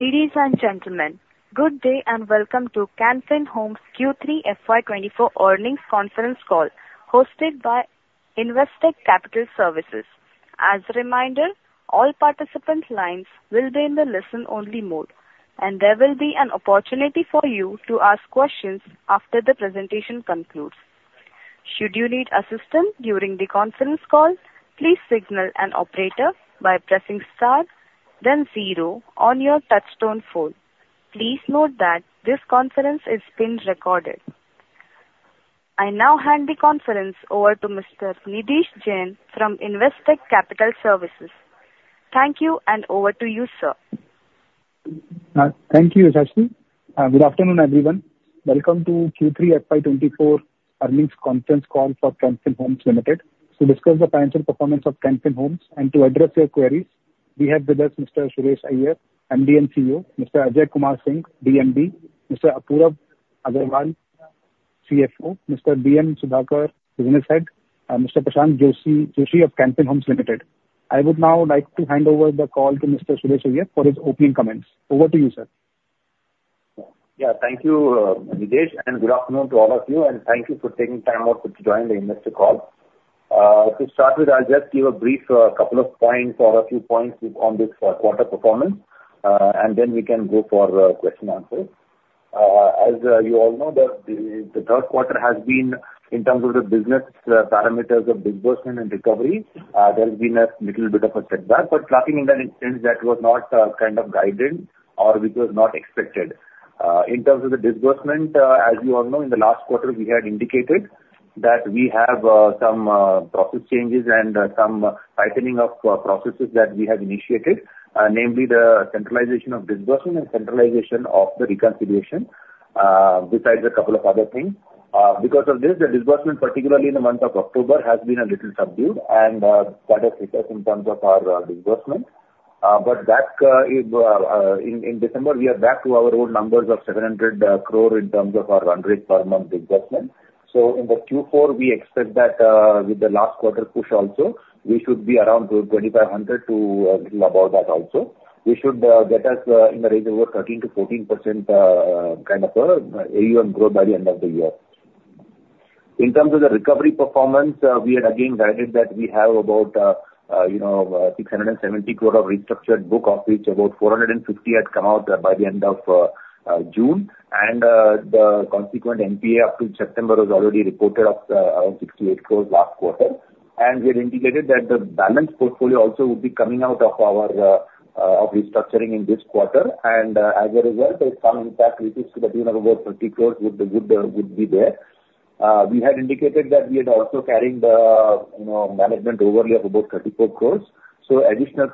Ladies and gentlemen, good day, and welcome to Can Fin Homes Q3 FY24 earnings conference call, hosted by Investec Capital Services. As a reminder, all participants' lines will be in the listen-only mode, and there will be an opportunity for you to ask questions after the presentation concludes. Should you need assistance during the conference call, please signal an operator by pressing star then zero on your touchtone phone. Please note that this conference is being recorded. I now hand the conference over to Mr. Nidhesh Jain from Investec Capital Services. Thank you, and over to you, sir. Thank you, Rashmi. Good afternoon, everyone. Welcome to Q3 FY 2024 earnings conference call for Can Fin Homes Limited. To discuss the financial performance of Can Fin Homes and to address your queries, we have with us Mr. Suresh Iyer, MD & CEO, Mr. Ajay Kumar Singh, DMD, Mr. Apurav Agarwal, CFO, Mr. B.M. Sudhakar, Business Head, and Mr. Prashant Joshi of Can Fin Homes Limited. I would now like to hand over the call to Mr. Suresh Iyer for his opening comments. Over to you, sir. Yeah. Thank you, Nidhesh, and good afternoon to all of you, and thank you for taking time out to join the investor call. To start with, I'll just give a brief couple of points or a few points on this quarter performance, and then we can go for question answers. As you all know that the Q3 has been, in terms of the business parameters of disbursement and recovery, there has been a little bit of a setback, but nothing in an instance that was not kind of guided or which was not expected. In terms of the disbursement, as you all know, in the last quarter we had indicated that we have some process changes and some tightening of processes that we have initiated, namely the centralization of disbursement and centralization of the reconciliation, besides a couple of other things. Because of this, the disbursement, particularly in the month of October, has been a little subdued, and that has hit us in terms of our disbursement. But back in December, we are back to our old numbers of 700 crore in terms of our run rate per month disbursement. So in the Q4, we expect that, with the last quarter push also, we should be around 2,500 crore to a little above that also. We should get us in the range of about 13%-14% kind of AUM growth by the end of the year. In terms of the recovery performance, we had again guided that we have about, you know, 670 crore of restructured book, of which about 450 crore had come out by the end of June. The consequent NPA up to September was already reported of around 68 crore last quarter. We had indicated that the balance portfolio also would be coming out of our restructuring in this quarter. As a result, there's some impact we see that, you know, about INR 30 crore would be there. We had indicated that we had also carried the, you know, management overlay of about 34 crores. So additional,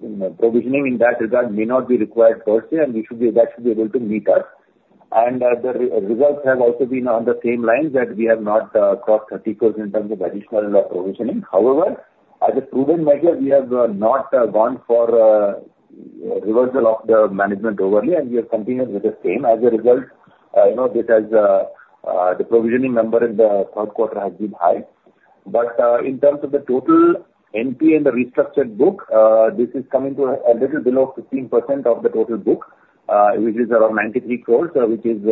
you know, provisioning in that regard may not be required firstly, and we should be, that should be able to meet up. And, the results have also been on the same lines, that we have not crossed 30 crores in terms of additional provisioning. However, as a proven measure, we have not gone for reversal of the management overlay, and we have continued with the same. As a result, you know, this has, the provisioning number in the Q3 has been high. In terms of the total NPA in the restructured book, this is coming to a little below 15% of the total book, which is around 93 crore, which is,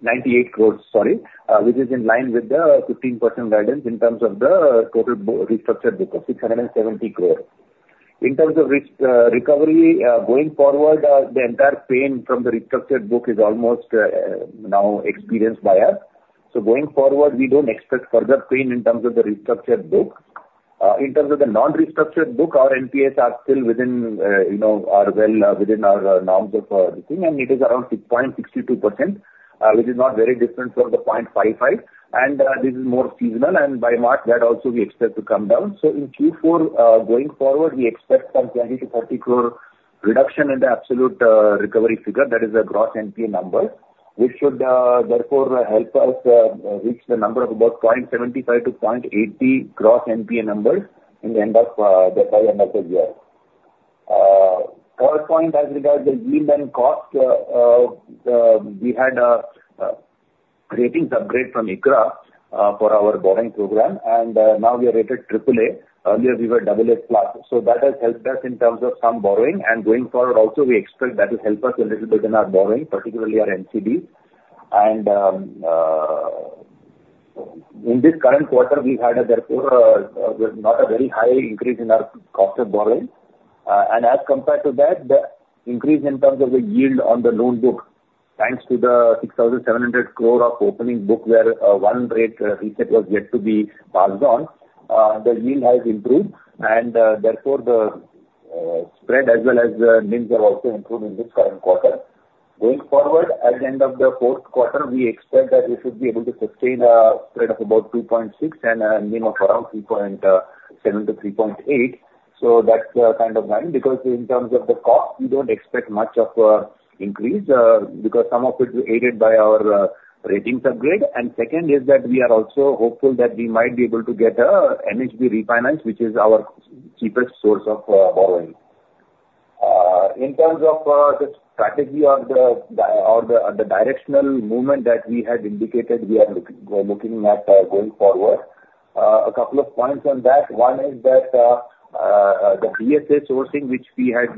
ninety-eight crores, sorry, which is in line with the 15% guidance in terms of the total restructured book of 670 crore. In terms of risk, recovery, going forward, the entire pain from the restructured book is almost, now experienced by us. So going forward, we don't expect further pain in terms of the restructured book. In terms of the non-restructured book, our NPAs are still within, you know, are well, within our norms of, the thing, and it is around 6.62%, which is not very different from the 0.55. This is more seasonal, and by March that also we expect to come down. So in Q4, going forward, we expect some 20 crore-30 crore reduction in the absolute recovery figure, that is the gross NPA number. We should therefore help us reach the number of about 0.75%-0.80% gross NPA numbers by end of the year. Third point as regards the yield and cost, we had a ratings upgrade from ICRA for our borrowing program, and now we are rated AAA. Earlier, we were AA+. So that has helped us in terms of some borrowing, and going forward also, we expect that will help us a little bit in our borrowing, particularly our NCD. In this current quarter, we had, therefore, not a very high increase in our cost of borrowing. As compared to that, the increase in terms of the yield on the loan book, thanks to the 6,700 crore of opening book, where one rate reset was yet to be passed on, the yield has improved, and therefore the spread as well as the NIMs have also improved in this current quarter. Going forward, at the end of the Q4, we expect that we should be able to sustain a spread of about 2.6% and a NIM of around 3.7%-3.8%. So that's the kind of line, because in terms of the cost, we don't expect much of a increase, because some of it is aided by our ratings upgrade. And second is that we are also hopeful that we might be able to get a NHB refinance, which is our cheapest source of borrowing. In terms of the strategy or the directional movement that we had indicated we are looking at going forward. A couple of points on that. One is that the DSA sourcing which we had,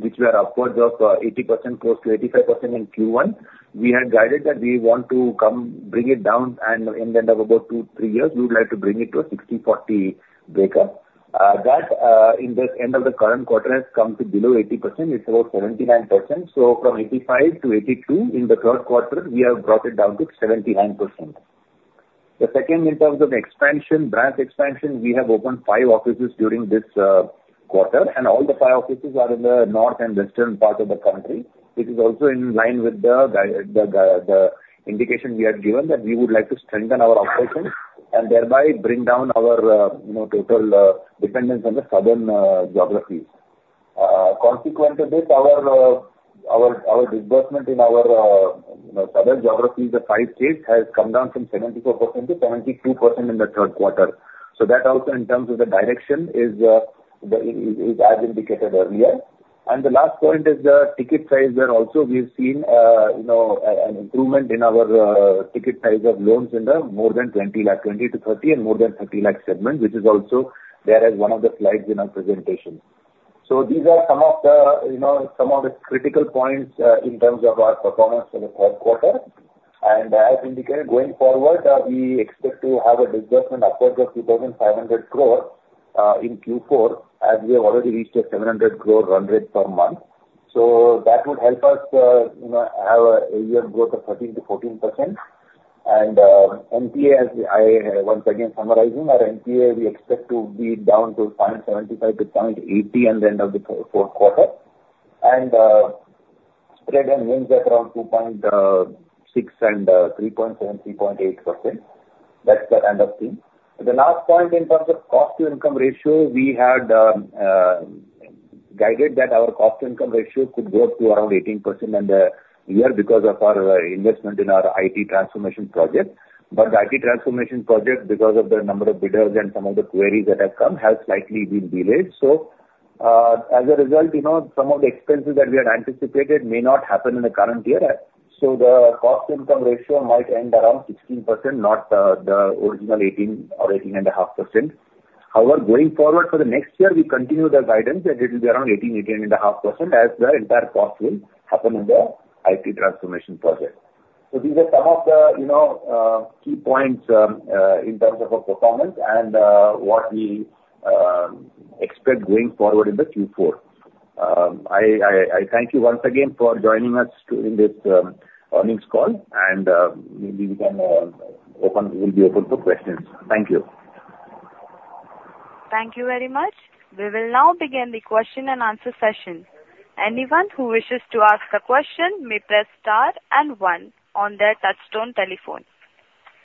which were upwards of 80%, close to 85% in Q1, we had guided that we want to bring it down, and in the end of about two, three years, we would like to bring it to a 60/40 breakup. That in the end of the current quarter has come to below 80%. It's about 79%. So from 85%-82% in the Q3, we have brought it down to 79%. The second, in terms of expansion, branch expansion, we have opened five offices during this quarter, and all the five offices are in the north and western part of the country. This is also in line with the indication we had given, that we would like to strengthen our operations and thereby bring down our, you know, total dependence on the southern geographies. Consequent to this, our disbursement in our, you know, southern geographies, the five states, has come down from 74%-72% in the Q3. So that also in terms of the direction is as indicated earlier. And the last point is the ticket size, where also we've seen you know an improvement in our ticket size of loans in the more than 20 lakh, 20-30, and more than 30 lakh segment, which is also there as one of the slides in our presentation. So these are some of the you know some of the critical points in terms of our performance in the Q3. And as indicated, going forward we expect to have a disbursement upwards of 2,500 crore in Q4, as we have already reached a 700 crore run rate per month. So that would help us you know have a year growth of 13%-14%. NPA, as I once again summarizing, our NPA, we expect to be down to 0.75-0.80 in the end of the fourth quarter. Spread and NIMs are around 2.6 and 3.7-3.8%. That's the kind of thing. The last point in terms of cost to income ratio, we had guided that our cost to income ratio could go up to around 18% in the year because of our investment in our IT transformation project. But the IT transformation project, because of the number of bidders and some of the queries that have come, has slightly been delayed. So, as a result, you know, some of the expenses that we had anticipated may not happen in the current year. So the cost income ratio might end around 16%, not the original 18 or 18.5%. However, going forward for the next year, we continue the guidance, and it will be around 18-18.5% as the entire cost will happen in the IT transformation project. So these are some of the, you know, key points in terms of our performance and what we expect going forward in the Q4. I thank you once again for joining us in this earnings call, and maybe we can open, we'll be open to questions. Thank you. Thank you very much. We will now begin the question and answer session. Anyone who wishes to ask a question may press star and one on their touchtone telephone.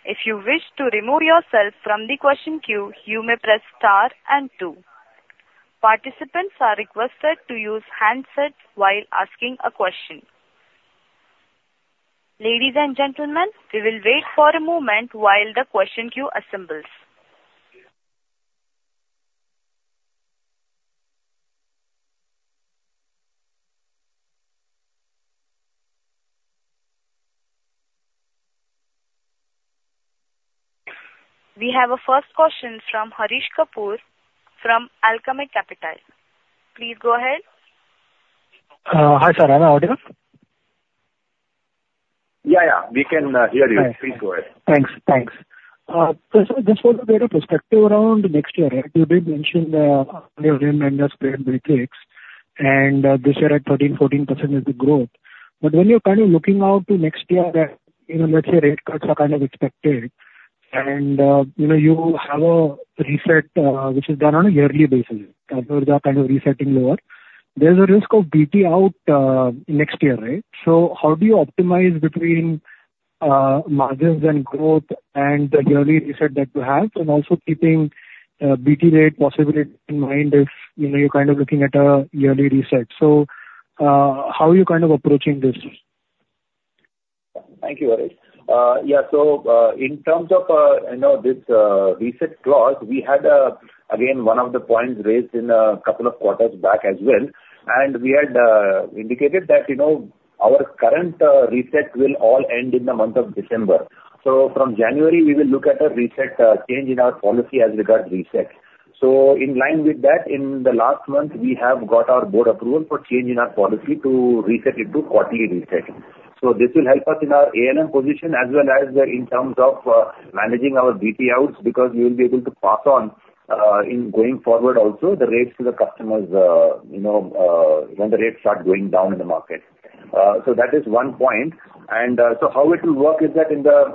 If you wish to remove yourself from the question queue, you may press star and two. Participants are requested to use handsets while asking a question. Ladies and gentlemen, we will wait for a moment while the question queue assembles. We have a first question from Haresh Kapoor, from Alchemy Capital. Please go ahead. Hi, sir. Am I audible? Yeah, yeah, we can hear you. Right. Please go ahead. Thanks. Thanks. Just, just for a little perspective around next year, right? You did mention your range minus trade breakthroughs, and this year at 13%-14% is the growth. But when you're kind of looking out to next year, you know, let's say rate cuts are kind of expected, and you know, you have a reset, which is done on a yearly basis, as well as that kind of resetting lower. There's a risk of BT out next year, right? So how do you optimize between margins and growth, and the yearly reset that you have, and also keeping BT rate possibility in mind if, you know, you're kind of looking at a yearly reset. So how are you kind of approaching this? Thank you, Harish. Yeah, so, in terms of, you know, this reset clause, we had, again, one of the points raised in a couple of quarters back as well, and we had indicated that, you know, our current reset will all end in the month of December. So from January, we will look at a reset change in our policy as regards reset. So in line with that, in the last month, we have got our board approval for change in our policy to reset into quarterly reset. So this will help us in our ALM position as well as in terms of managing our BT outs, because we will be able to pass on, in going forward also, the rates to the customers, you know, when the rates start going down in the market. So that is one point. So how it will work is that in the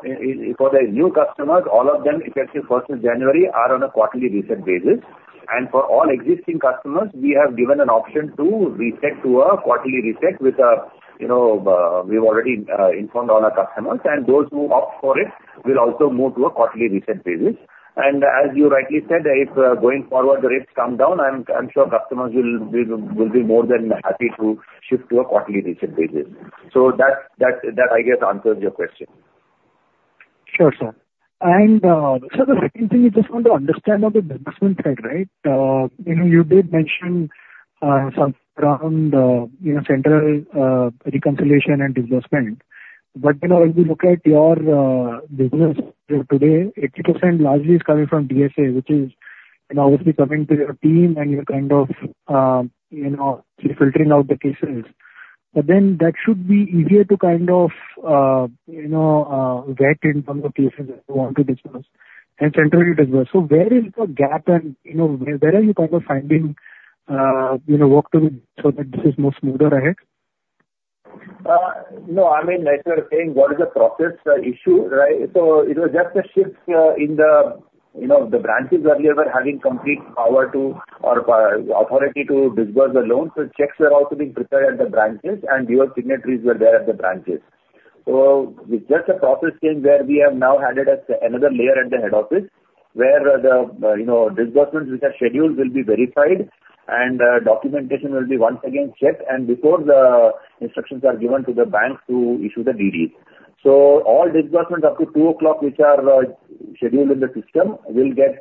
for the new customers, all of them, effective first of January, are on a quarterly reset basis. For all existing customers, we have given an option to reset to a quarterly reset, with a you know we've already informed all our customers, and those who opt for it will also move to a quarterly reset basis. As you rightly said, if going forward the rates come down, I'm sure customers will be more than happy to shift to a quarterly reset basis. So that I guess answers your question. Sure, sir. And, so the second thing, I just want to understand on the disbursement side, right? You know, you did mention, some around, you know, central, reconciliation and disbursement... but, you know, when we look at your, business here today, 80% largely is coming from DSA, which is, you know, obviously coming to your team and you're kind of, you know, filtering out the cases. But then, that should be easier to kind of, you know, get in from the cases that you want to disperse and centrally disperse. So where is the gap and, you know, where are you kind of finding, you know, work to do so that this is more smoother ahead? No, I mean, as you are saying, what is the process issue, right? So it was just a shift in the, you know, the branches earlier were having complete power or authority to disburse the loans. So checks were also being prepared at the branches and your signatories were there at the branches. So it's just a process change where we have now added another layer at the head office, where the, you know, disbursements which are scheduled will be verified, and documentation will be once again checked before the instructions are given to the banks to issue the DDs. So all disbursements up to 2:00 P.M. which are scheduled in the system will get,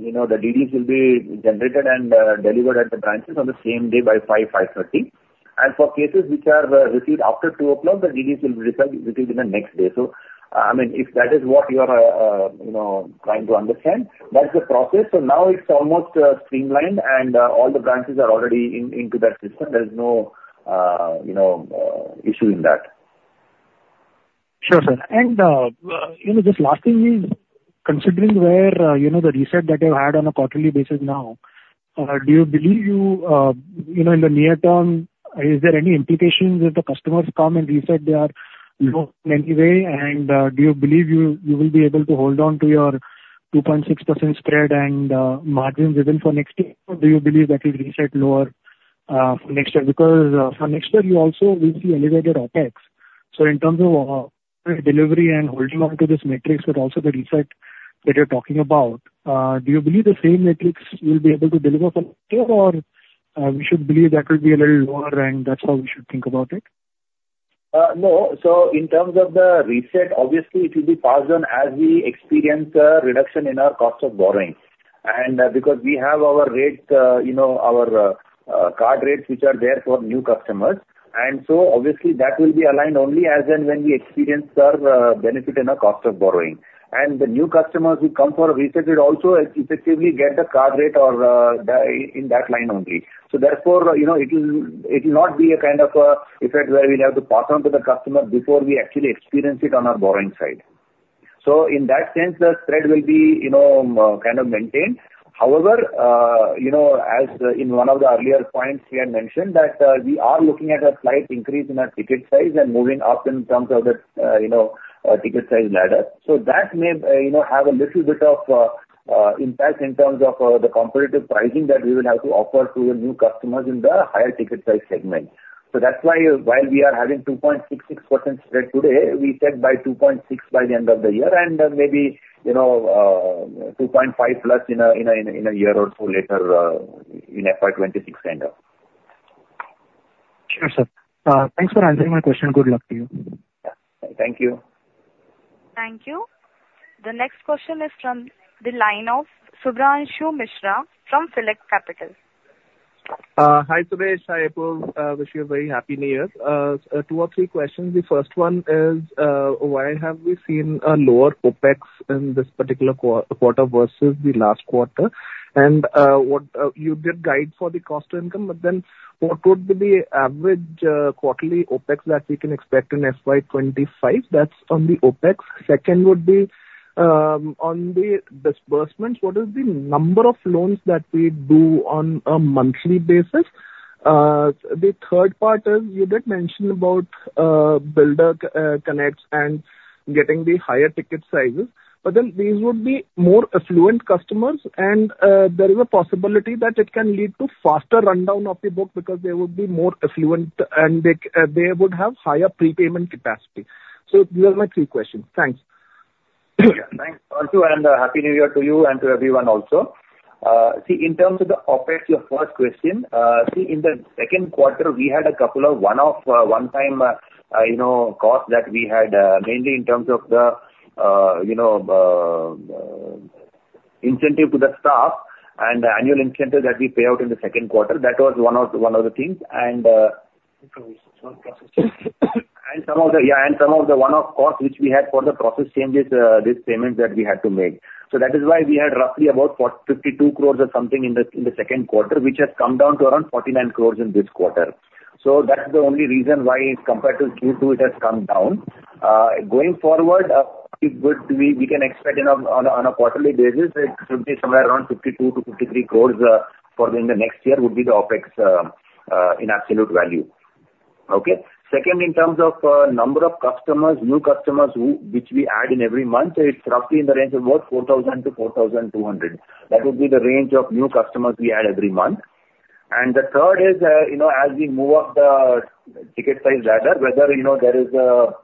you know, the DDs will be generated and delivered at the branches on the same day by 5:00 P.M., 5:30 P.M. For cases which are received after 2 o'clock, the DDs will be received in the next day. So, I mean, if that is what you are, you know, trying to understand, that's the process. So now it's almost streamlined, and all the branches are already into that system. There is no, you know, issue in that. Sure, sir. And, you know, just last thing is, considering where, you know, the reset that you had on a quarterly basis now, do you believe you, you know, in the near term, is there any implication that the customers come and reset their loan in any way? And, do you believe you, you will be able to hold on to your 2.6% spread and, margins even for next year, or do you believe that will reset lower, for next year? Because, for next year, you also will see elevated OpEx. So in terms of delivery and holding on to these metrics, but also the reset that you're talking about, do you believe the same metrics will be able to deliver for next year, or we should believe that will be a little lower and that's how we should think about it? No. So in terms of the reset, obviously, it will be passed on as we experience a reduction in our cost of borrowing. And because we have our rates, you know, our card rates, which are there for new customers, and so obviously that will be aligned only as and when we experience the benefit in our cost of borrowing. And the new customers who come for a reset will also effectively get the card rate or the in that line only. So therefore, you know, it will, it will not be a kind of effect where we'll have to pass on to the customer before we actually experience it on our borrowing side. So in that sense, the spread will be, you know, kind of maintained. However, you know, as in one of the earlier points, we had mentioned that we are looking at a slight increase in our ticket size and moving up in terms of the, you know, ticket size ladder. So that may, you know, have a little bit of impact in terms of the competitive pricing that we will have to offer to the new customers in the higher ticket size segment. So that's why, while we are having 2.66% spread today, we said by 2.6 by the end of the year and, maybe, you know, 2.5+ in a, in a, in a year or two later, in FY 2026 end up. Sure, sir. Thanks for answering my question. Good luck to you. Thank you. Thank you. The next question is from the line of Shubhranshu Mishra from Select Capital. Hi, Subhash. I wish you a very Happy New Year. 2 or 3 questions. The first one is: Why have we seen a lower OpEx in this particular quarter versus the last quarter? And what you did guide for the cost to income, but then what would be the average quarterly OpEx that we can expect in FY 25? That's on the OpEx. Second would be, on the disbursements: What is the number of loans that we do on a monthly basis? The third part is, you did mention about builder connects and getting the higher ticket sizes, but then these would be more affluent customers and there is a possibility that it can lead to faster rundown of the book because they would be more affluent and they would have higher prepayment capacity. These are my three questions. Thanks. Thanks also, and Happy New Year to you and to everyone also. See, in terms of the OpEx, your first question, see, in the Q2, we had a couple of one-off, one-time, you know, costs that we had, mainly in terms of the, you know, incentive to the staff and annual incentive that we pay out in the Q2. That was one of the, one of the things. And some of the, yeah, and some of the one-off costs, which we had for the process changes, these payments that we had to make. So that is why we had roughly about 42 crores or something in the, in the Q2, which has come down to around 49 crores in this quarter. So that is the only reason why, compared to Q2, it has come down. Going forward, it would be... We can expect, you know, on a, on a quarterly basis, it should be somewhere around 52-53 crore, for in the next year would be the OpEx in absolute value. Okay? Second, in terms of number of customers, new customers which we add in every month, it's roughly in the range of about 4,000-4,200. That would be the range of new customers we add every month. And the third is, you know, as we move up the ticket size ladder, whether, you know, there is a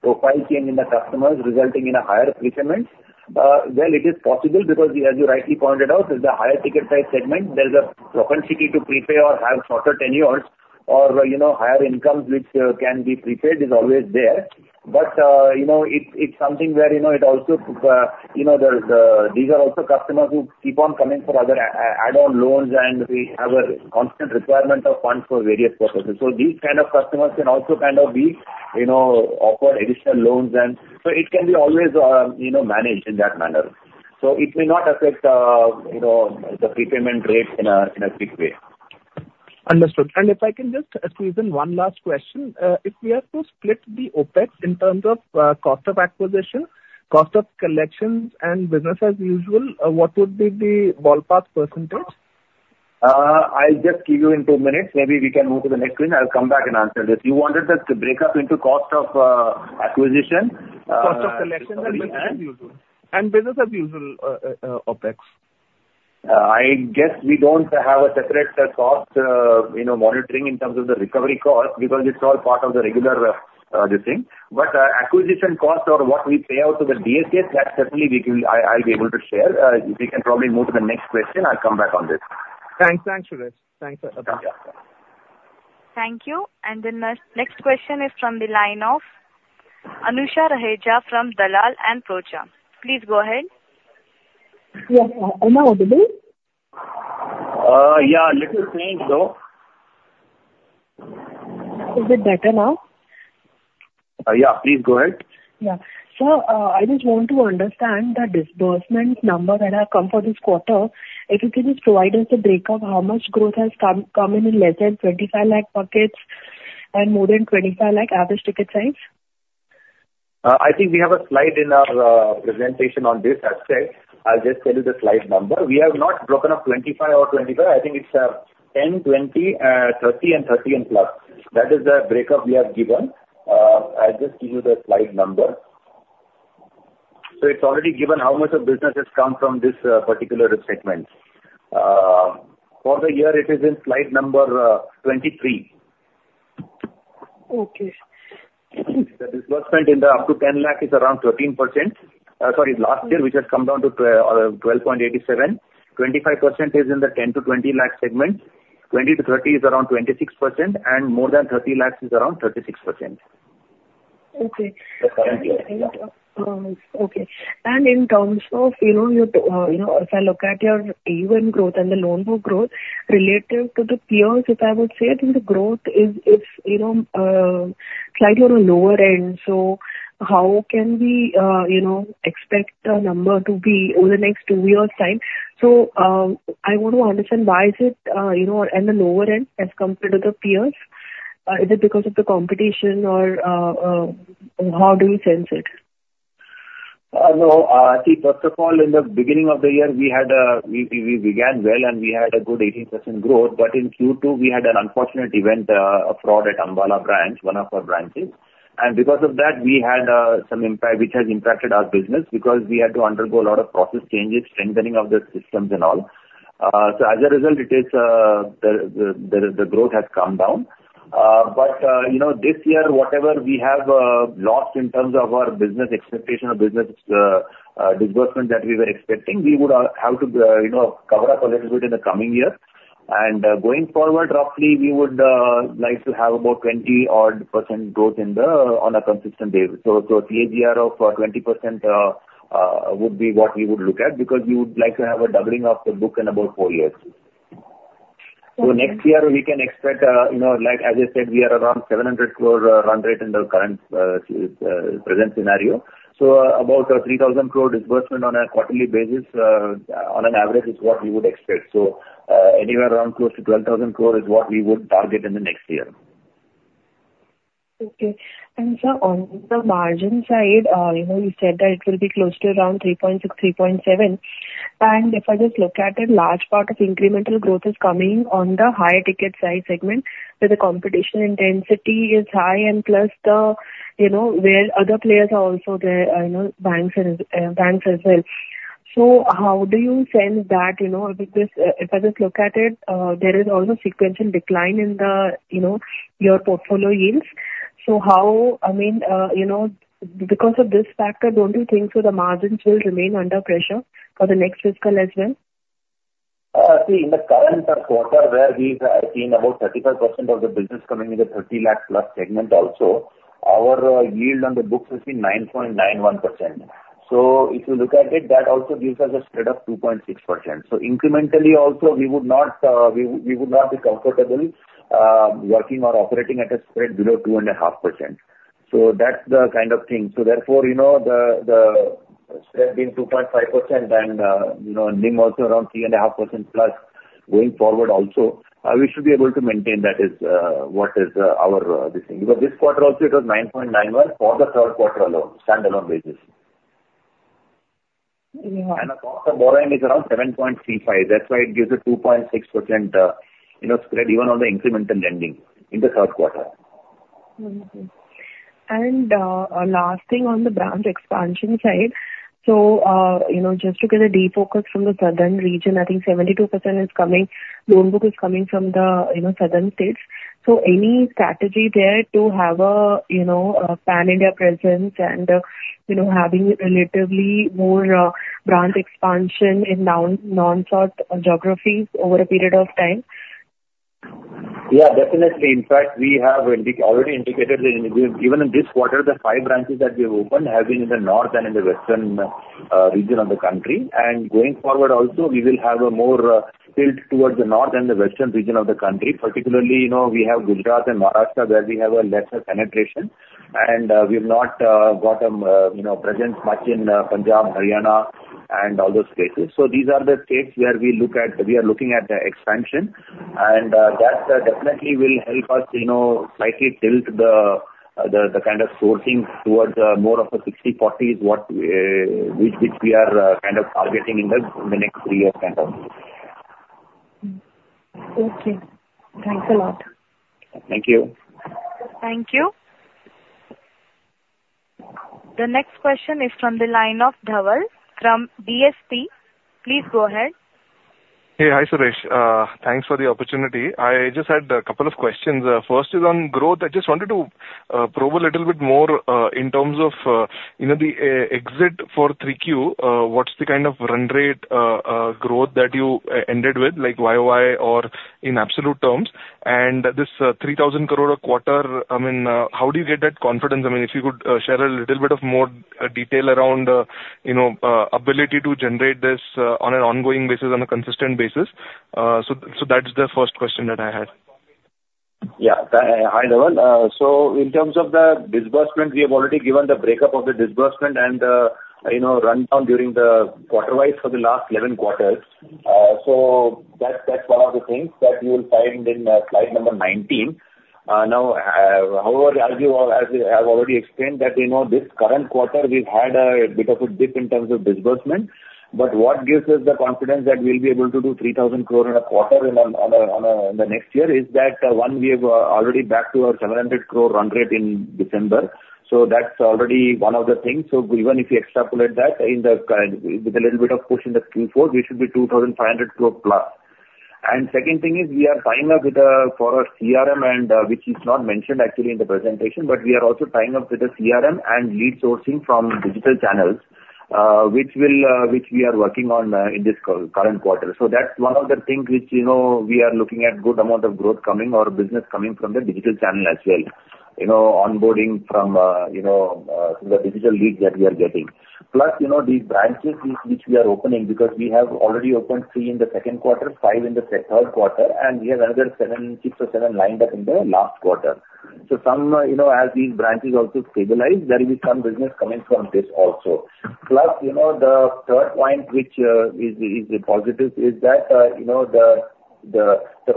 profile change in the customers resulting in a higher prepayment, well, it is possible because as you rightly pointed out, with the higher ticket size segment, there's a propensity to prepay or have shorter tenures or, you know, higher incomes which can be prepaid, is always there. But, you know, it's, it's something where, you know, it also, you know, there's these are also customers who keep on coming for other add-on loans, and we have a constant requirement of funds for various purposes. So these kind of customers can also kind of be, you know, offered additional loans and so it can be always, you know, managed in that manner. It may not affect, you know, the prepayment rate in a big way. Understood. If I can just squeeze in one last question. If we have to split the OpEx in terms of cost of acquisition, cost of collections, and business as usual, what would be the ballpark percentage? I'll just give you in two minutes, maybe we can move to the next one. I'll come back and answer this. You wanted the breakup into cost of, acquisition, Cost of collections and business as usual. Business as usual, OpEx. I guess we don't have a separate cost, you know, monitoring in terms of the recovery cost, because it's all part of the regular this thing. But acquisition costs or what we pay out to the DSAs, that certainly we can, I'll be able to share. We can probably move to the next question. I'll come back on this. Thanks. Thanks, Suresh. Thanks. Okay. Thank you. And then next, next question is from the line of Anusha Raheja from Dalal & Broacha. Please go ahead. Yes. Am I audible? Yeah, a little faint, though. Is it better now? Yeah, please go ahead. Yeah. Sir, I just want to understand the disbursement number that have come for this quarter. If you can just provide us a breakup, how much growth has come in less than 25 lakh buckets and more than 25 lakh average ticket size? I think we have a slide in our presentation on this aspect. I'll just tell you the slide number. We have not broken up 25 or 25. I think it's 10, 20, 30 and 30 and plus. That is the breakup we have given. I'll just give you the slide number. It's already given how much of business has come from this particular segment. For the year, it is in slide number 23. Okay. The disbursement in the up to 10 lakh is around 13%. Last year, which has come down to 12.87. 25% is in the 10-20 lakh segment, 20-30 is around 26%, and more than 30 lakhs is around 36%. Okay. That's right, yeah. Okay. And in terms of, you know, your, you know, if I look at your AUM growth and the loan book growth relative to the peers, if I would say, I think the growth is, you know, slightly on a lower end, so how can we, you know, expect the number to be over the next two years' time? So, I want to understand why is it, you know, at the lower end as compared to the peers? Is it because of the competition or, how do you sense it? No. I think first of all, in the beginning of the year, we had we began well, and we had a good 18% growth. But in Q2, we had an unfortunate event, a fraud at Ambala branch, one of our branches. And because of that, we had some impact, which has impacted our business, because we had to undergo a lot of process changes, strengthening of the systems and all. So as a result, it is the growth has come down. But you know, this year, whatever we have lost in terms of our business expectation or business disbursement that we were expecting, we would have to you know, cover up a little bit in the coming year. Going forward, roughly, we would like to have about 20-odd% growth in the... on a consistent basis. So, CAGR of 20% would be what we would look at, because we would like to have a doubling of the book in about 4 years. Okay. So next year, we can expect, you know, like as I said, we are around 700 crore run rate in the current, present scenario. So about, 3,000 crore disbursement on a quarterly basis, on an average, is what we would expect. So, anywhere around close to 12,000 crore is what we would target in the next year. Okay. And sir, on the margin side, you know, you said that it will be close to around 3.6, 3.7. And if I just look at it, large part of incremental growth is coming on the higher ticket size segment, where the competition intensity is high and plus the, you know, where other players are also there, you know, banks and, banks as well. So how do you sense that, you know, with this, if I just look at it, there is also sequential decline in the, you know, your portfolio yields. So how... I mean, you know, because of this factor, don't you think so the margins will remain under pressure for the next fiscal as well? See, in the current quarter, where we've seen about 35% of the business coming in the 30 lakh plus segment also, our yield on the books is in 9.91%. So if you look at it, that also gives us a spread of 2.6%. So incrementally also, we would not, we would not be comfortable working or operating at a spread below 2.5%. So that's the kind of thing. So therefore, you know, the spread being 2.5% and, you know, NIM also around 3.5% plus, going forward also, we should be able to maintain that is what is our this thing. Because this quarter also, it was 9.91 for the Q3 alone, standalone basis. Mm-hmm. The cost of borrowing is around 7.35. That's why it gives a 2.6%, you know, spread even on the incremental lending in the Q3. Mm-hmm. And, last thing on the branch expansion side. So, you know, just to get a deep focus from the southern region, I think 72% is coming, loan book is coming from the, you know, southern states. So any strategy there to have a, you know, a pan-India presence and, you know, having relatively more, branch expansion in non-south geographies over a period of time? ... Yeah, definitely. In fact, we have already indicated that even in this quarter, the five branches that we have opened have been in the north and in the western region of the country. And going forward also, we will have a more tilt towards the north and the western region of the country. Particularly, you know, we have Gujarat and Maharashtra, where we have a lesser penetration, and we've not got you know presence much in Punjab, Haryana, and all those places. So these are the states where we are looking at the expansion, and that definitely will help us, you know, slightly tilt the the kind of sourcing towards more of a 60/40, which we are kind of targeting in the next three-year kind of thing. Okay. Thanks a lot. Thank you. Thank you. The next question is from the line of Dhaval, from DSP. Please go ahead. Hey. Hi, Suresh. Thanks for the opportunity. I just had a couple of questions. First is on growth. I just wanted to probe a little bit more, in terms of, you know, the exit for Q3. What's the kind of run rate growth that you ended with, like YOY or in absolute terms? And this 3,000 crore a quarter, I mean, how do you get that confidence? I mean, if you could share a little bit more detail around, you know, ability to generate this on an ongoing basis, on a consistent basis. So that's the first question that I had. Yeah. Hi, Dhaval. So in terms of the disbursement, we have already given the breakup of the disbursement and, you know, run down during the quarter-wise for the last 11 quarters. So that, that's one of the things that you will find in, slide number 19. Now, however, as you, as I have already explained, that, you know, this current quarter, we've had a bit of a dip in terms of disbursement. But what gives us the confidence that we'll be able to do 3,000 crore in a quarter, in the next year, is that, one, we are already back to our 700 crore run rate in December. So that's already one of the things. So even if you extrapolate that in the kind... With a little bit of push in the Q4, we should be 2,500 crore plus. And second thing is we are tying up with for a CRM and, which is not mentioned actually in the presentation, but we are also tying up with a CRM and lead sourcing from digital channels, which will, which we are working on, in this current quarter. So that's one of the things which, you know, we are looking at good amount of growth coming or business coming from the digital channel as well. You know, onboarding from, you know, the digital leads that we are getting. Plus, you know, these branches which we are opening, because we have already opened 3 in the Q2, 5 in the Q3, and we have another 6 or 7 lined up in the last quarter. So some, you know, as these branches also stabilize, there will be some business coming from this also. Plus, you know, the third point, which is positive, is that, you know, the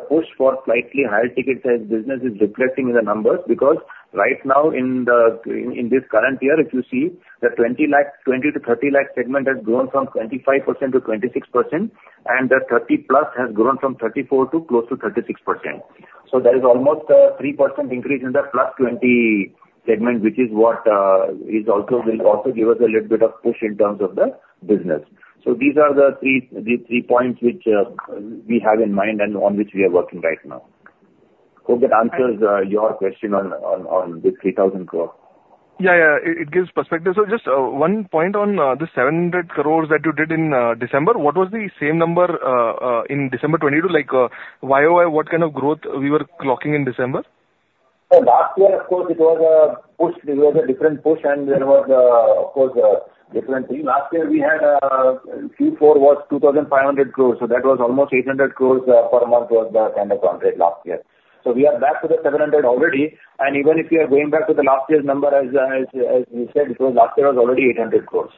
push for slightly higher ticket size business is reflecting in the numbers. Because right now, in this current year, if you see, the 20 lakh-30 lakh segment has grown from 25% to 26%, and the 30+ has grown from 34 to close to 36%. So there is almost a 3% increase in the +20 segment, which is what, is also, will also give us a little bit of push in terms of the business. So these are the three, the three points which, we have in mind and on which we are working right now. Hope that answers, your question on, on, on this 3,000 crore. Yeah, yeah, it, it gives perspective. So just one point on the 700 crore that you did in December. What was the same number in December 2022? Like, YOY, what kind of growth we were clocking in December? So last year, of course, it was a push. It was a different push, and there was, of course, a different thing. Last year we had, Q4 was 2,500 crore, so that was almost 800 crore per month, was the kind of run rate last year. So we are back to the 700 already, and even if you are going back to the last year's number, as you said, so last year was already 800 crore.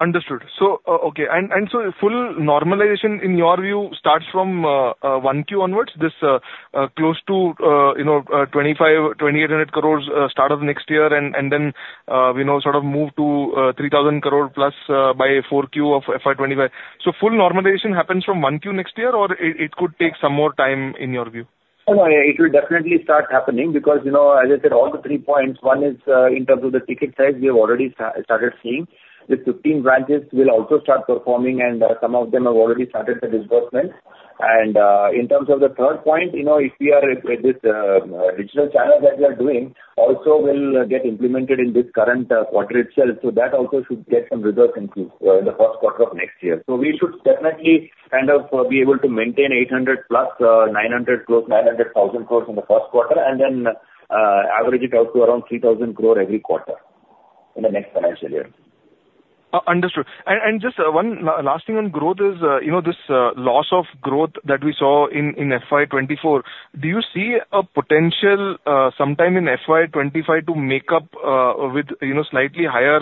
Understood. So, okay. And so full normalization, in your view, starts from 1Q onwards? This close to, you know, 2,500-2,800 crore start of next year, and then we know sort of move to 3,000 crore plus by 4Q of FY 2025. So full normalization happens from 1Q next year, or it could take some more time in your view? Oh, no, it will definitely start happening because, you know, as I said, all the three points, one is, in terms of the ticket size, we have already started seeing. The 15 branches will also start performing, and, some of them have already started the disbursement. And, in terms of the third point, you know, if we are with this, digital channel that we are doing, also will get implemented in this current, quarter itself. So that also should get some results in, the Q1 of next year. So we should definitely kind of, be able to maintain 800+, 900, close to 900 thousand crore in the Q1, and then, average it out to around 3,000 crore every quarter in the next financial year. Understood. And just one last thing on growth is, you know, this loss of growth that we saw in FY 2024, do you see a potential sometime in FY 2025 to make up with, you know, slightly higher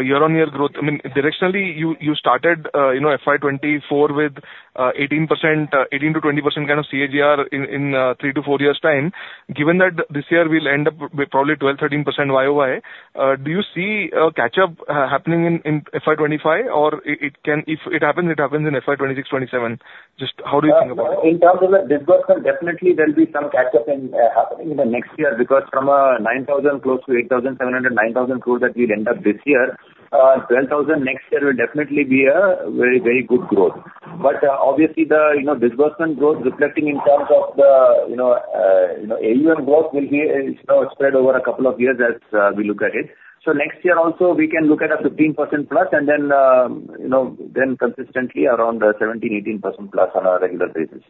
year-on-year growth? I mean, directionally, you started, you know, FY 2024 with 18%, 18%-20% kind of CAGR in 3-4 years' time. Given that this year we'll end up with probably 12%-13% YOY, do you see a catch-up happening in FY 2025? Or it can -- if it happens, it happens in FY 2026, 2027. Just how do you think about it? In terms of the disbursement, definitely there will be some catch-up in happening in the next year, because from nine thousand, close to eight thousand seven hundred, nine thousand crores that we'd end up this year, twelve thousand next year will definitely be a very, very good growth. But obviously the, you know, disbursement growth reflecting in terms of the, you know, you know, AUM growth will be sort of spread over a couple of years as we look at it. So next year also, we can look at a 15%+, and then, you know, then consistently around seventeen, eighteen percent plus on a regular basis. ...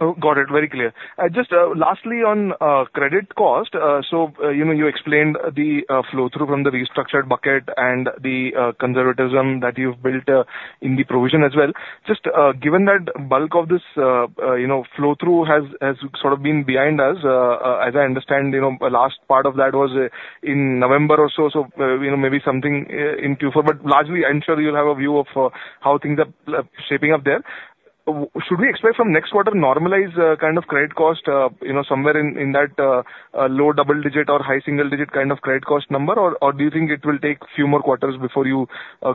Oh, got it. Very clear. Just lastly on credit cost, so you know, you explained the flow-through from the restructured bucket and the conservatism that you've built in the provision as well. Just given that bulk of this you know, flow-through has sort of been behind us as I understand, you know, the last part of that was in November or so, so you know, maybe something in Q4, but largely I'm sure you'll have a view of how things are shaping up there. Should we expect from next quarter normalized, kind of credit cost, you know, somewhere in, in that, low double digit or high single digit kind of credit cost number, or, or do you think it will take few more quarters before you,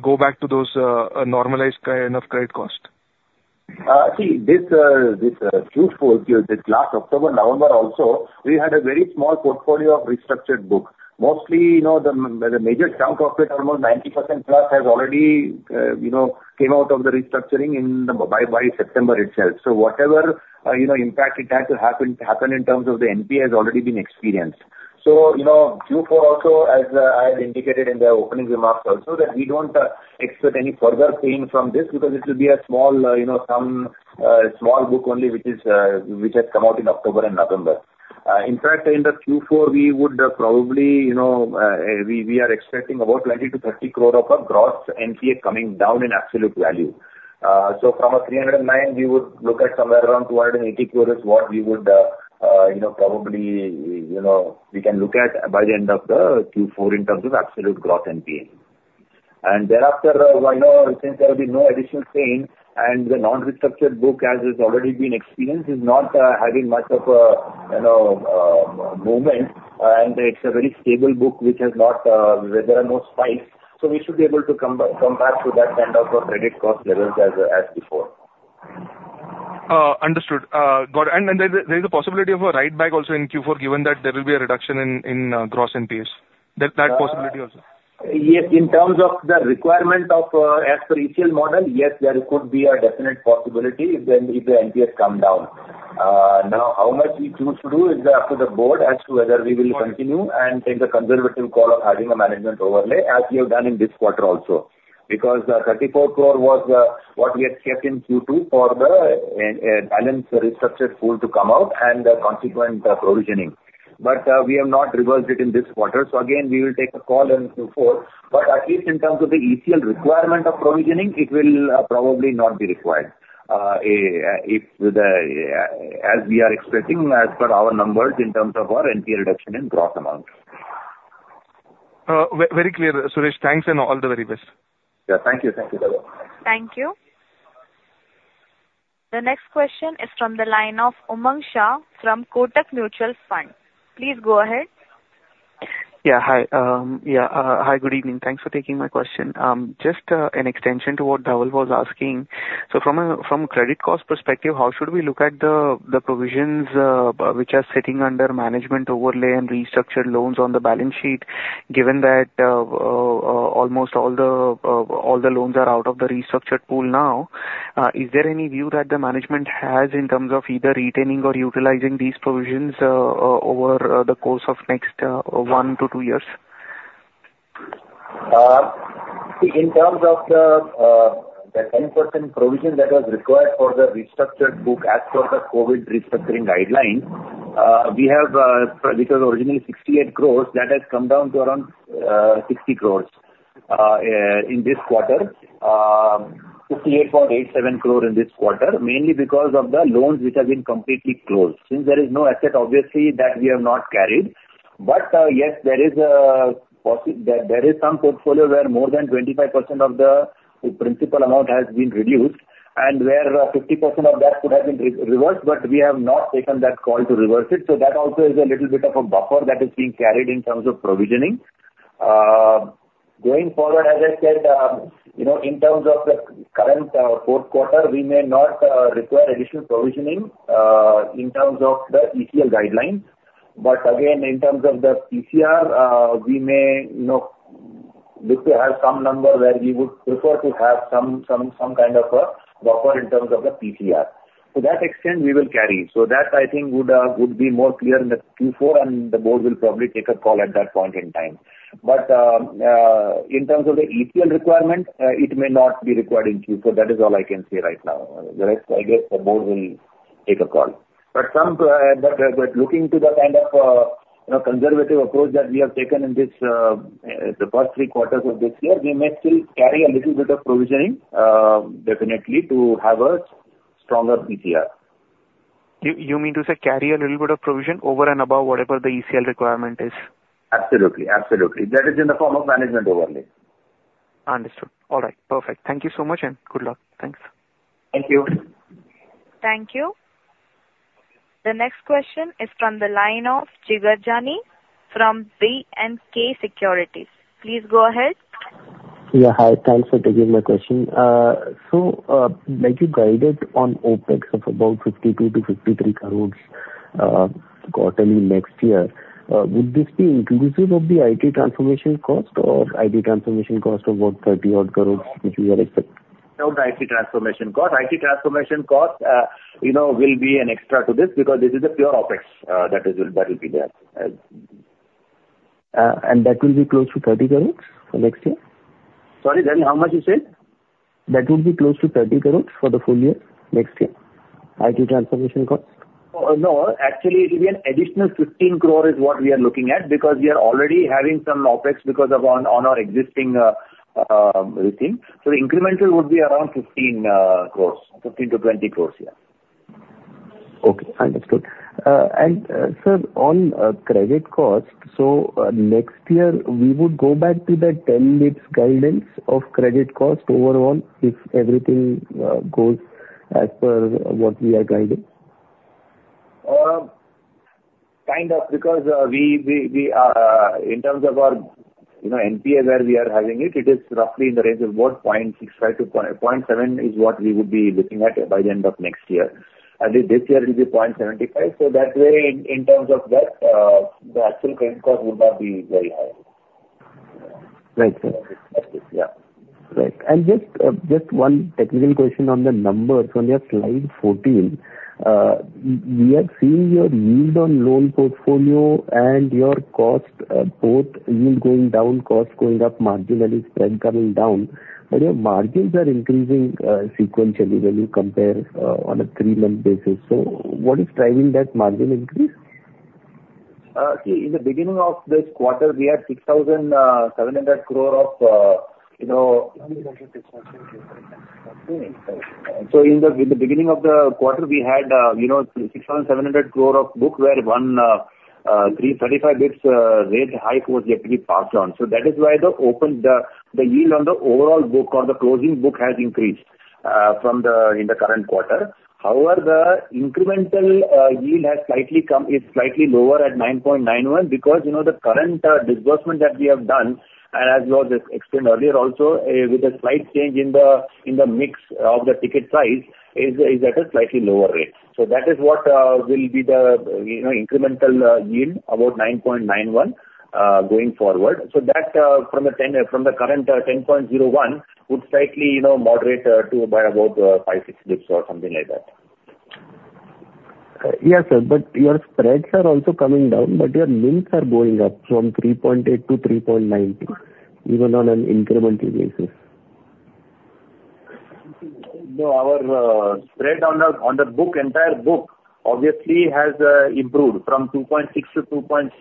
go back to those, normalized kind of credit cost? See, this, this, Q4, this last October, November also, we had a very small portfolio of restructured book. Mostly, you know, the major chunk of it, almost 90% plus, has already, you know, came out of the restructuring in the, by, by September itself. So whatever, you know, impact it had to happen, happen in terms of the NPA has already been experienced. So, you know, Q4 also, as, I have indicated in the opening remarks also, that we don't, expect any further pain from this because it will be a small, you know, some, small book only, which is, which has come out in October and November. In fact, in the Q4, we would probably, you know, we, we are expecting about 20-30 crore of a gross NPA coming down in absolute value. So from 309 crore, we would look at somewhere around 280 crore is what we would, you know, probably, you know, we can look at by the end of the Q4 in terms of absolute growth NPA. And thereafter, well, I think there will be no additional pain, and the non-restructured book, as has already been experienced, is not having much of a, you know, movement, and it's a very stable book, which has not, there are no spikes. So we should be able to come back, come back to that kind of a credit cost levels as, as before. Understood. Got it. And there's a possibility of a writeback also in Q4, given that there will be a reduction in gross NPAs. There's that possibility also? Yes, in terms of the requirement of, as per ECL model, yes, there could be a definite possibility if the, if the NPAs come down. Now, how much we choose to do is up to the board as to whether we will continue and take a conservative call of adding a management overlay, as we have done in this quarter also. Because, 34 crore was what we had kept in Q2 for the balance restructured pool to come out and the consequent provisioning. But, we have not reversed it in this quarter, so again, we will take a call in Q4. But at least in terms of the ECL requirement of provisioning, it will probably not be required, if the, as we are expecting as per our numbers in terms of our NPA reduction in gross amounts. Very clear, Suresh. Thanks, and all the very best. Yeah, thank you. Thank you, Dhaval. Thank you. The next question is from the line of Umang Shah from Kotak Mutual Fund. Please go ahead. Hi, good evening. Thanks for taking my question. Just an extension to what Dhaval was asking: So from a credit cost perspective, how should we look at the provisions which are sitting under management overlay and restructured loans on the balance sheet, given that almost all the loans are out of the restructured pool now? Is there any view that the management has in terms of either retaining or utilizing these provisions over the course of next one to two years? In terms of the 10% provision that was required for the restructured book as per the COVID restructuring guidelines, we have, which was originally 68 crore, that has come down to around 60 crore in this quarter. 68.87 crore in this quarter, mainly because of the loans which have been completely closed. Since there is no asset, obviously, that we have not carried. But yes, there is some portfolio where more than 25% of the principal amount has been reduced, and where 50% of that could have been reversed, but we have not taken that call to reverse it, so that also is a little bit of a buffer that is being carried in terms of provisioning. Going forward, as I said, you know, in terms of the current Q4, we may not require additional provisioning in terms of the ECL guidelines. But again, in terms of the PCR, we may, you know, look to have some number where we would prefer to have some, some, some kind of a buffer in terms of the PCR. To that extent, we will carry. So that, I think, would would be more clear in the Q4, and the board will probably take a call at that point in time. But in terms of the ECL requirement, it may not be required in Q4. That is all I can say right now. The rest, I guess, the board will take a call. But looking to the kind of, you know, conservative approach that we have taken in this, the first three quarters of this year, we may still carry a little bit of provisioning, definitely to have a stronger PCR. You, you mean to say carry a little bit of provision over and above whatever the ECL requirement is? Absolutely. Absolutely. That is in the form of management overlay. Understood. All right. Perfect. Thank you so much, and good luck. Thanks. Thank you. Thank you. The next question is from the line of Jigar Jani from B&K Securities. Please go ahead. Yeah, hi. Thanks for taking my question. So, like you guided on OpEx of about 52-53 crores quarterly next year, would this be inclusive of the IT transformation cost or IT transformation cost of about 30-odd crores, which we are expect- No IT transformation cost. IT transformation cost, you know, will be an extra to this, because this is a pure OpEx, that is, that will be there as-... and that will be close to 30 crore for next year? Sorry, then how much you said? That would be close to 30 crore for the full year next year, IT transformation cost. No, actually, it will be an additional 15 crore is what we are looking at, because we are already having some OpEx because of our existing routine. So the incremental would be around 15 crore, 15 crore-20 crore, yeah. Okay, understood. And, sir, on credit cost, so next year, we would go back to the 10 basis points guidance of credit cost overall, if everything goes as per what we are guided? Kind of, because in terms of our, you know, NPA, where we are having it, it is roughly in the range of about 0.65%-0.7% is what we would be looking at by the end of next year. I think this year it will be 0.75%. So that way, in terms of that, the actual credit cost would not be very high. Right. Yeah. Right. And just one technical question on the numbers. On your slide 14, we are seeing your yield on loan portfolio and your cost, both yield going down, cost going up, marginally, spread coming down, but your margins are increasing sequentially when you compare on a three-month basis. So what is driving that margin increase? See, in the beginning of this quarter, we had 6,700 crore of, you know. So in the beginning of the quarter, we had, you know, 6,700 crore of book, where 335 basis points rate hike was actually passed on. So that is why the yield on the overall book or the closing book has increased from the in the current quarter. However, the incremental yield has slightly come, is slightly lower at 9.91%, because, you know, the current disbursement that we have done, and as was explained earlier also, with a slight change in the mix of the ticket size, is at a slightly lower rate. So that is what will be the, you know, incremental yield, about 9.91 going forward. So that from the 10, from the current 10.01, would slightly, you know, moderate to by about 5-6 basis points or something like that. Yes, sir, but your spreads are also coming down, but your yields are going up from 3.8 to 3.9, even on an incremental basis. No, our spread on the book, entire book, obviously has improved from 2.6 to 2.66.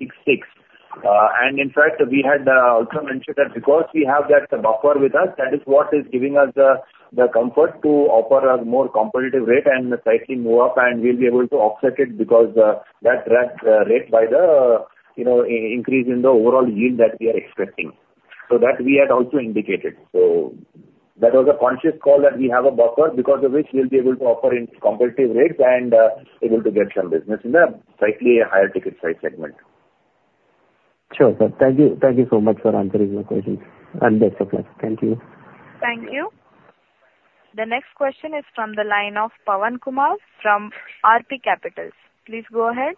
And in fact, we had also mentioned that because we have that buffer with us, that is what is giving us the comfort to offer a more competitive rate and slightly move up, and we'll be able to offset it because that drag rate by the, you know, increase in the overall yield that we are expecting. So that we had also indicated. So that was a conscious call that we have a buffer, because of which we'll be able to offer in competitive rates and able to get some business in the slightly higher ticket size segment. Sure, sir. Thank you. Thank you so much for answering my questions, and best of luck. Thank you. Thank you. The next question is from the line of Pawan Kumar from RP Capitals. Please go ahead.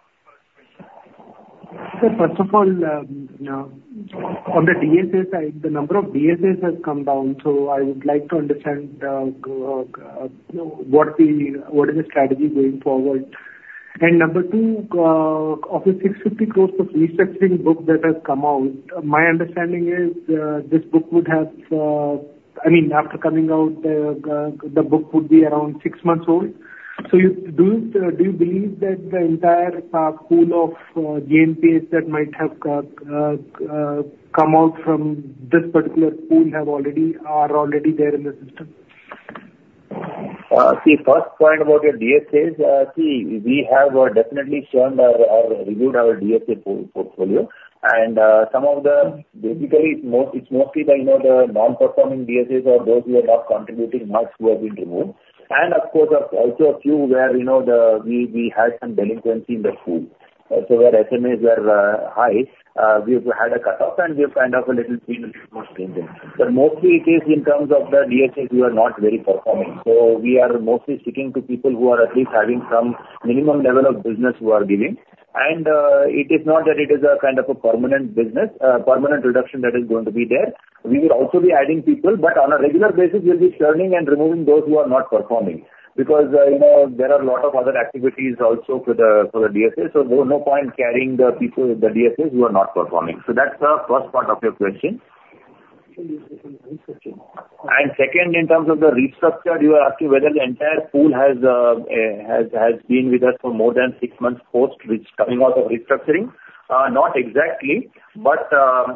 Sir, first of all, on the DSA side, the number of DSA has come down, so I would like to understand, you know, what is the strategy going forward? And number two, of the 650 crore of restructuring book that has come out, my understanding is, this book would have, I mean, after coming out, the book would be around six months old. So do you believe that the entire pool of GNPA that might have come out from this particular pool have already, are already there in the system? The first point about your DSA, see, we have definitely shown our reviewed our DSA portfolio. And some of the, basically, it's mostly the, you know, the non-performing DSAs or those who are not contributing much, who have been removed. And of course, also a few where, you know, the, we had some delinquency in the pool. So where SMAs were high, we had a cutoff, and we have kind of a little cleaner stream then. So mostly it is in terms of the DSAs who are not very performing. So we are mostly sticking to people who are at least having some minimum level of business who are giving. And it is not that it is a kind of a permanent business permanent reduction that is going to be there. We will also be adding people, but on a regular basis, we'll be churning and removing those who are not performing. Because, you know, there are a lot of other activities also for the DSA, so no point carrying the people, the DSAs, who are not performing. So that's the first part of your question. And second, in terms of the restructure, you are asking whether the entire pool has been with us for more than six months post which coming out of restructuring? Not exactly, but,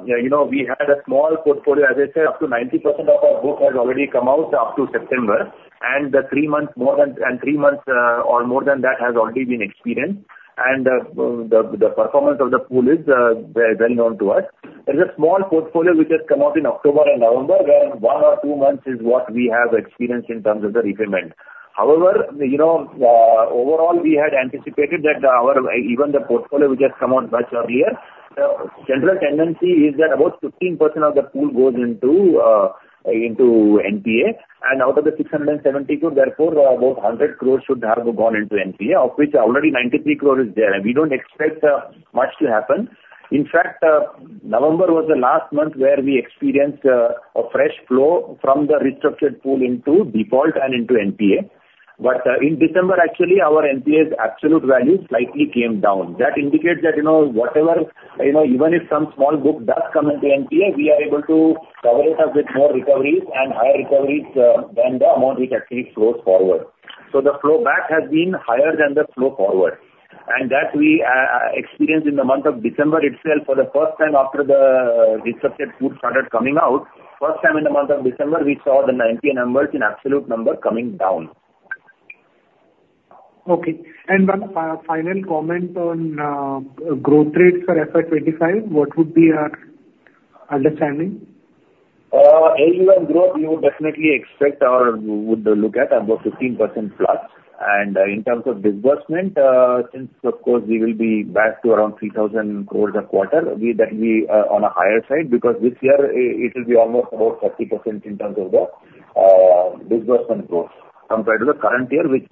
you know, we had a small portfolio, as I said, up to 90% of our book has already come out up to September, and the three months more than, and three months, or more than that, has already been experienced. The performance of the pool is very well known to us. There's a small portfolio which has come out in October and November, where one or two months is what we have experienced in terms of the repayment. However, you know, overall, we had anticipated that our even the portfolio which has come out much earlier, general tendency is that about 15% of the pool goes into into NPA, and out of the 670 crore, therefore, about 100 crore should have gone into NPA, of which already 93 crore is there. We don't expect much to happen. In fact, November was the last month where we experienced a fresh flow from the restructured pool into default and into NPA. But, in December, actually, our NPA's absolute value slightly came down. That indicates that, you know, whatever, you know, even if some small book does come into NPA, we are able to cover it up with more recoveries and higher recoveries than the amount which actually flows forward. So the flow back has been higher than the flow forward... and that we experienced in the month of December itself for the first time after the restructured pool started coming out. First time in the month of December, we saw the NPA numbers, in absolute number, coming down. Okay. And one final comment on growth rates for FY 25, what would be our understanding? AUM growth, we would definitely expect or would look at above 15%+. In terms of disbursement, since of course, we will be back to around 3,000 crore a quarter, on a higher side, because this year, it will be almost about 30% in terms of the disbursement growth compared to the current year, which,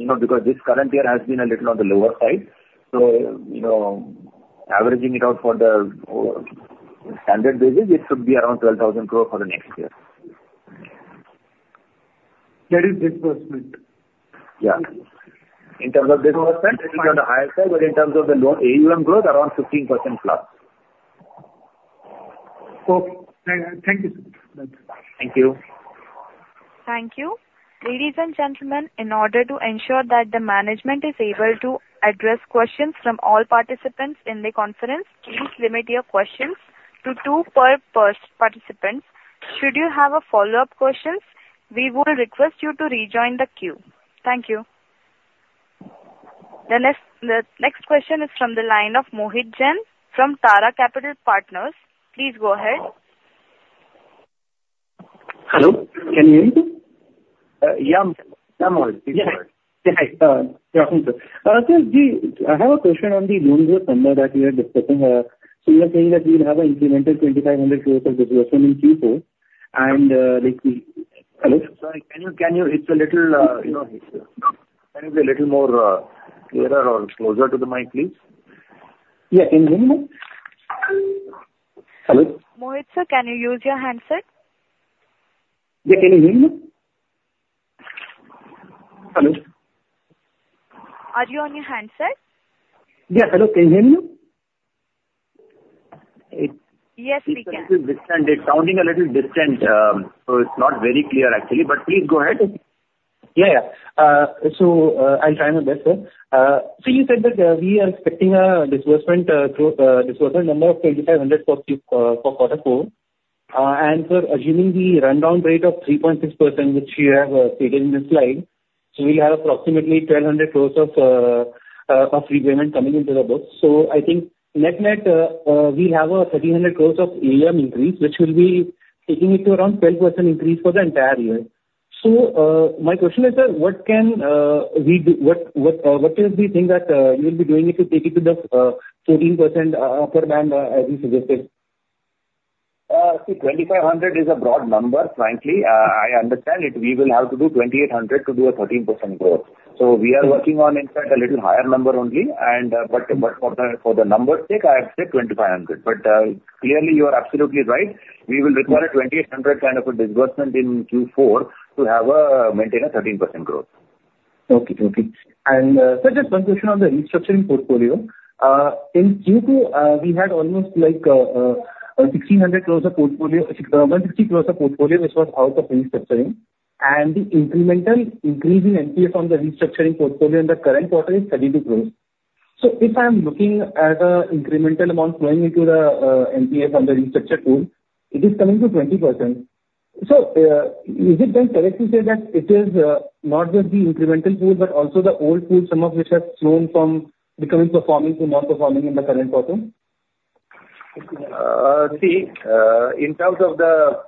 you know, because this current year has been a little on the lower side. So, you know, averaging it out for the standard basis, it should be around 12,000 crore for the next year. That is disbursement? Yeah. In terms of disbursement, it'll be on the higher side, but in terms of the loan, AUM growth, around 15%+. Okay. Thank you, sir. Thank you. Thank you. Ladies and gentlemen, in order to ensure that the management is able to address questions from all participants in the conference, please limit your questions to two per participant. Should you have a follow-up questions, we would request you to rejoin the queue. Thank you. The next question is from the line of Mohit Jain from Tara Capital Partners. Please go ahead. Hello, can you hear me? Yeah. Yeah, Mohit. Yeah. Yeah, hi. Welcome, sir. So the... I have a question on the loans with number that we are discussing. So you are saying that we will have an incremental 2,500 crores of disbursement in Q4, and, like we- Hello? Sorry, can you, can you... It's a little, you know, can you be a little more, clearer or closer to the mic, please? Yeah, can you hear me? Hello? Mohit, sir, can you use your handset? Yeah, can you hear me? Hello? Are you on your handset? Yeah, hello. Can you hear me? Yes, we can. It's a little distant. It's sounding a little distant, so it's not very clear, actually. But please go ahead. Yeah. Yeah. So, I'll try my best, sir. So you said that we are expecting a disbursement through disbursement number of 2,500 crores for quarter four. And sir, assuming the rundown rate of 3.6%, which you have stated in the slide, so we'll have approximately 1,000 crores of pre-payment coming into the books. So I think net-net, we have a 1,300 crores of AUM increase, which will be taking it to around 12% increase for the entire year. So, my question is, what can we do... What, what is the thing that you will be doing to take it to the 14% upper band, as you suggested? See, 2,500 is a broad number, frankly. I understand it. We will have to do 2,800 to do a 13% growth. So we are working on, in fact, a little higher number only, and but, but for the number's sake, I have said 2,500. But clearly, you are absolutely right. We will require a 2,800 kind of a disbursement in Q4 to maintain a 13% growth. Okay. Okay. And, sir, just one question on the restructuring portfolio. In Q2, we had almost like, 1,600 crores of portfolio, 160 crores of portfolio, which was out of restructuring. And the incremental increase in NPA on the restructuring portfolio in the current quarter is INR 32 crore. So if I am looking at the incremental amount flowing into the NPA from the restructured pool, it is coming to 20%. So, is it then correct to say that it is not just the incremental pool, but also the old pool, some of which have flown from becoming performing to non-performing in the current quarter? See, in terms of the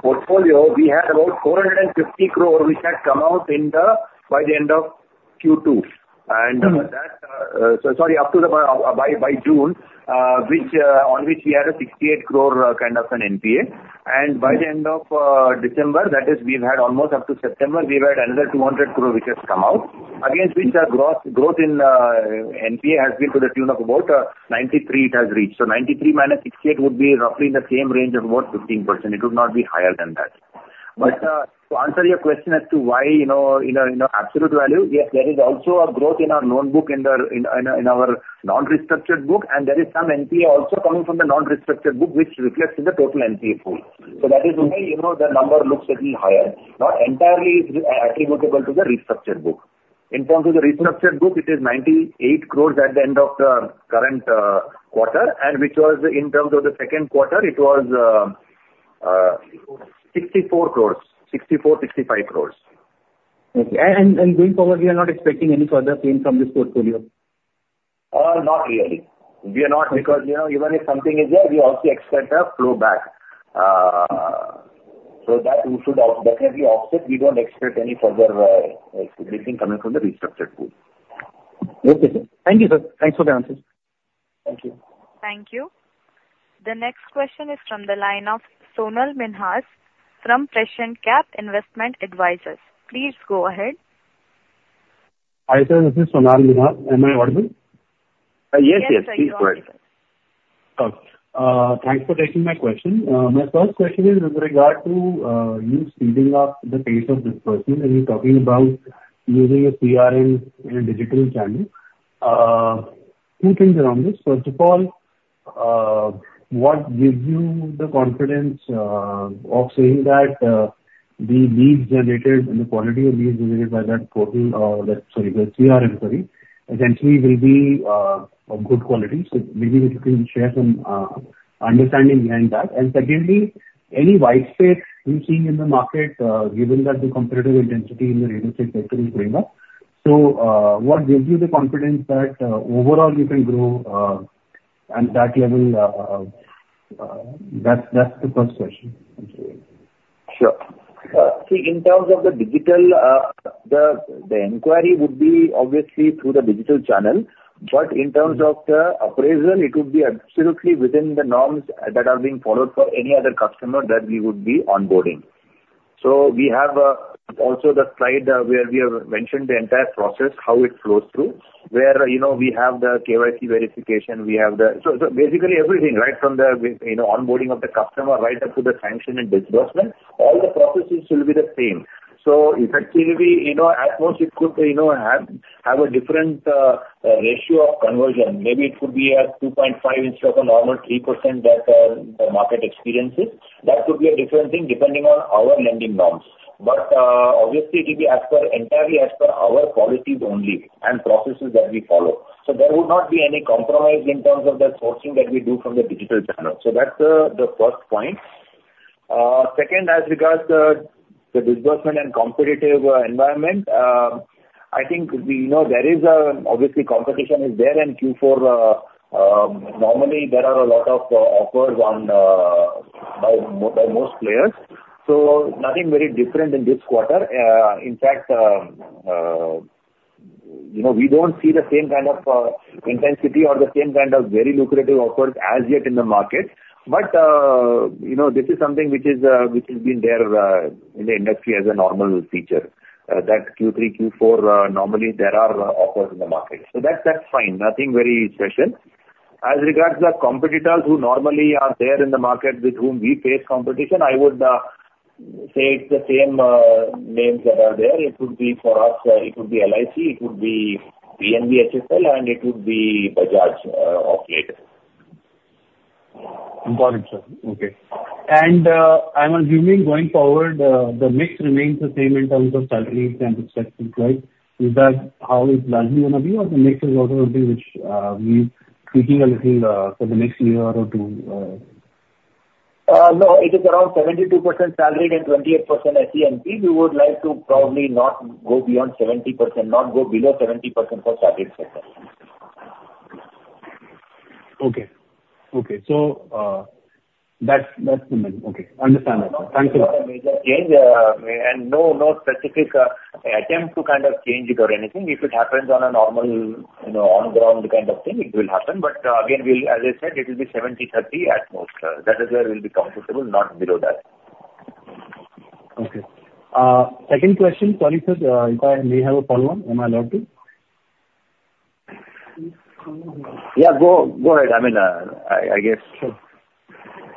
portfolio, we had about 450 crore, which had come out in the... by the end of Q2. Mm-hmm. And that, so sorry, up to the by by June, which on which we had a 68 crore kind of an NPA. Mm-hmm. By the end of December, that is, we've had almost up to September, we've had another 200 crore, which has come out, against which the growth in NPA has been to the tune of about 93, it has reached. So 93 minus 68 would be roughly in the same range of about 15%. It would not be higher than that. Okay. But to answer your question as to why, you know, in an absolute value, yes, there is also a growth in our loan book, in our non-restructured book, and there is some NPA also coming from the non-restructured book, which reflects in the total NPA pool. So that is why, you know, the number looks little higher, not entirely attributable to the restructured book. In terms of the restructured book, it is 98 crore at the end of the current quarter, and which was in terms of the second quarter, it was 64 crores. 64, 65 crores. Okay. And going forward, we are not expecting any further pain from this portfolio? Not really. We are not- Okay. - because, you know, even if something is there, we also expect a flow back. So that we should, that will be offset. We don't expect any further, anything coming from the restructured pool. Okay, sir. Thank you, sir. Thanks for the answers. Thank you. Thank you. The next question is from the line of Sonal Minhas from Prescient Capital Investment Advisors. Please go ahead Hi, sir, this is Sonal Minhas. Am I audible? Yes, yes. Yes, we hear you. Please go ahead. Thanks for taking my question. My first question is with regard to you speeding up the pace of disbursement, and you're talking about using a CRM in a digital channel. Two things around this: First of all, what gives you the confidence of saying that the leads generated and the quality of leads generated by that portal, that, sorry, the CRM, sorry, essentially will be of good quality? So maybe if you can share some understanding behind that. And secondly, any white space you're seeing in the market, given that the competitive intensity in the real estate sector is going up, so what gives you the confidence that overall you can grow at that level? That's the first question. Sure. See, in terms of the digital, the inquiry would be obviously through the digital channel, but in terms of the appraisal, it would be absolutely within the norms that are being followed for any other customer that we would be onboarding. So we have also the slide where we have mentioned the entire process, how it flows through. Where, you know, we have the KYC verification, we have the... So basically everything, right from the, you know, onboarding of the customer right up to the sanction and disbursement, all the processes will be the same. So effectively, you know, at most it could, you know, have a different ratio of conversion. Maybe it could be a 2.5 instead of a normal 3% that the market experiences. That could be a different thing depending on our lending norms. But, obviously it will be as per, entirely as per our policies only and processes that we follow. So there would not be any compromise in terms of the sourcing that we do from the digital channel. So that's the first point. Second, as regards the disbursement and competitive environment, I think we know there is obviously competition is there, and Q4 normally there are a lot of offers on by most players, so nothing very different in this quarter. In fact, you know, we don't see the same kind of intensity or the same kind of very lucrative offers as yet in the market. But, you know, this is something which is, which has been there, in the industry as a normal feature. That Q3, Q4, normally there are offers in the market. So that's, that's fine, nothing very special. As regards the competitors who normally are there in the market with whom we face competition, I would say it's the same names that are there. It could be for us, it could be LIC, it could be PNBHFL, and it could be Bajaj, operator. Got it, sir. Okay. I'm assuming going forward, the mix remains the same in terms of salaries and expenses, right? Is that how it's largely gonna be, or the mix is also going to be, which we tweaking a little, for the next year or two? No, it is around 72% salaried and 28% SENP. We would like to probably not go beyond 70%, not go below 70% for salaried sector. Okay. Okay, so, that's, that's the main. Okay, understand that. Thank you, sir. Not a major change, and no specific attempt to kind of change it or anything. If it happens on a normal, you know, on-ground kind of thing, it will happen. But, again, we'll... as I said, it will be 70/30 at most. That is where we'll be comfortable, not below that. Okay. Second question, sorry, sir, if I may have a follow-up, am I allowed to? Yeah, go. Go right ahead. I mean, I guess- Sure.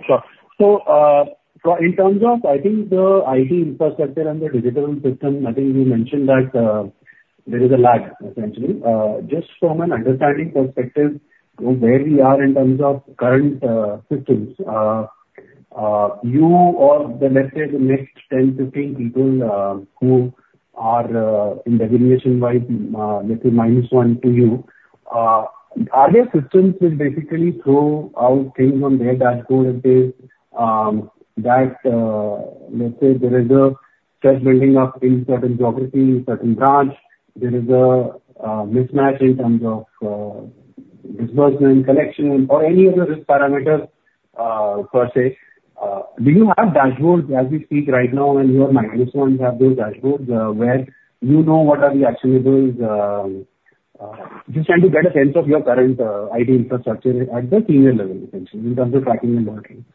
Sure. So, in terms of, I think, the IT infrastructure and the digital system, I think you mentioned that, there is a lag, essentially. Just from an understanding perspective, where we are in terms of current, systems, you or let's say the next 10, 15 people, who are, in designation-wise, let's say minus one to you, are their systems will basically throw out things on their dashboard if there's, that, let's say there is a stress building up in certain geographies, certain branch, there is a, mismatch in terms of, disbursement, collection, or any other risk parameters, per se. Do you have dashboards as we speak right now, and your minus ones have those dashboards, where you know what are the actionables... Just trying to get a sense of your current IT infrastructure at the senior level, essentially, in terms of tracking and monitoring.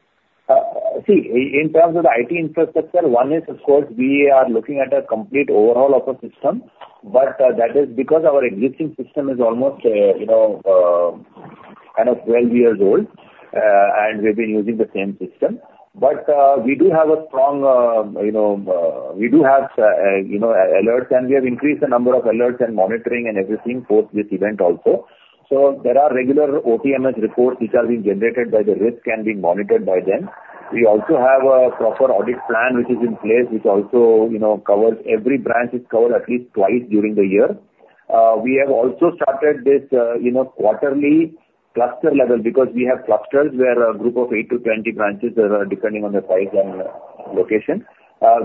See, in terms of the IT infrastructure, one is of course, we are looking at a complete overhaul of the system. But, that is because our existing system is almost, you know, kind of 12 years old. And we've been using the same system. But, we do have a strong, you know, alerts, and we have increased the number of alerts and monitoring and everything post this event also. So there are regular OTMS reports which are being generated by the risk and being monitored by them. We also have a proper audit plan which is in place, which also, you know, covers every branch is covered at least twice during the year. We have also started this, you know, quarterly cluster level, because we have clusters, where a group of 8-20 branches, depending on the size and location,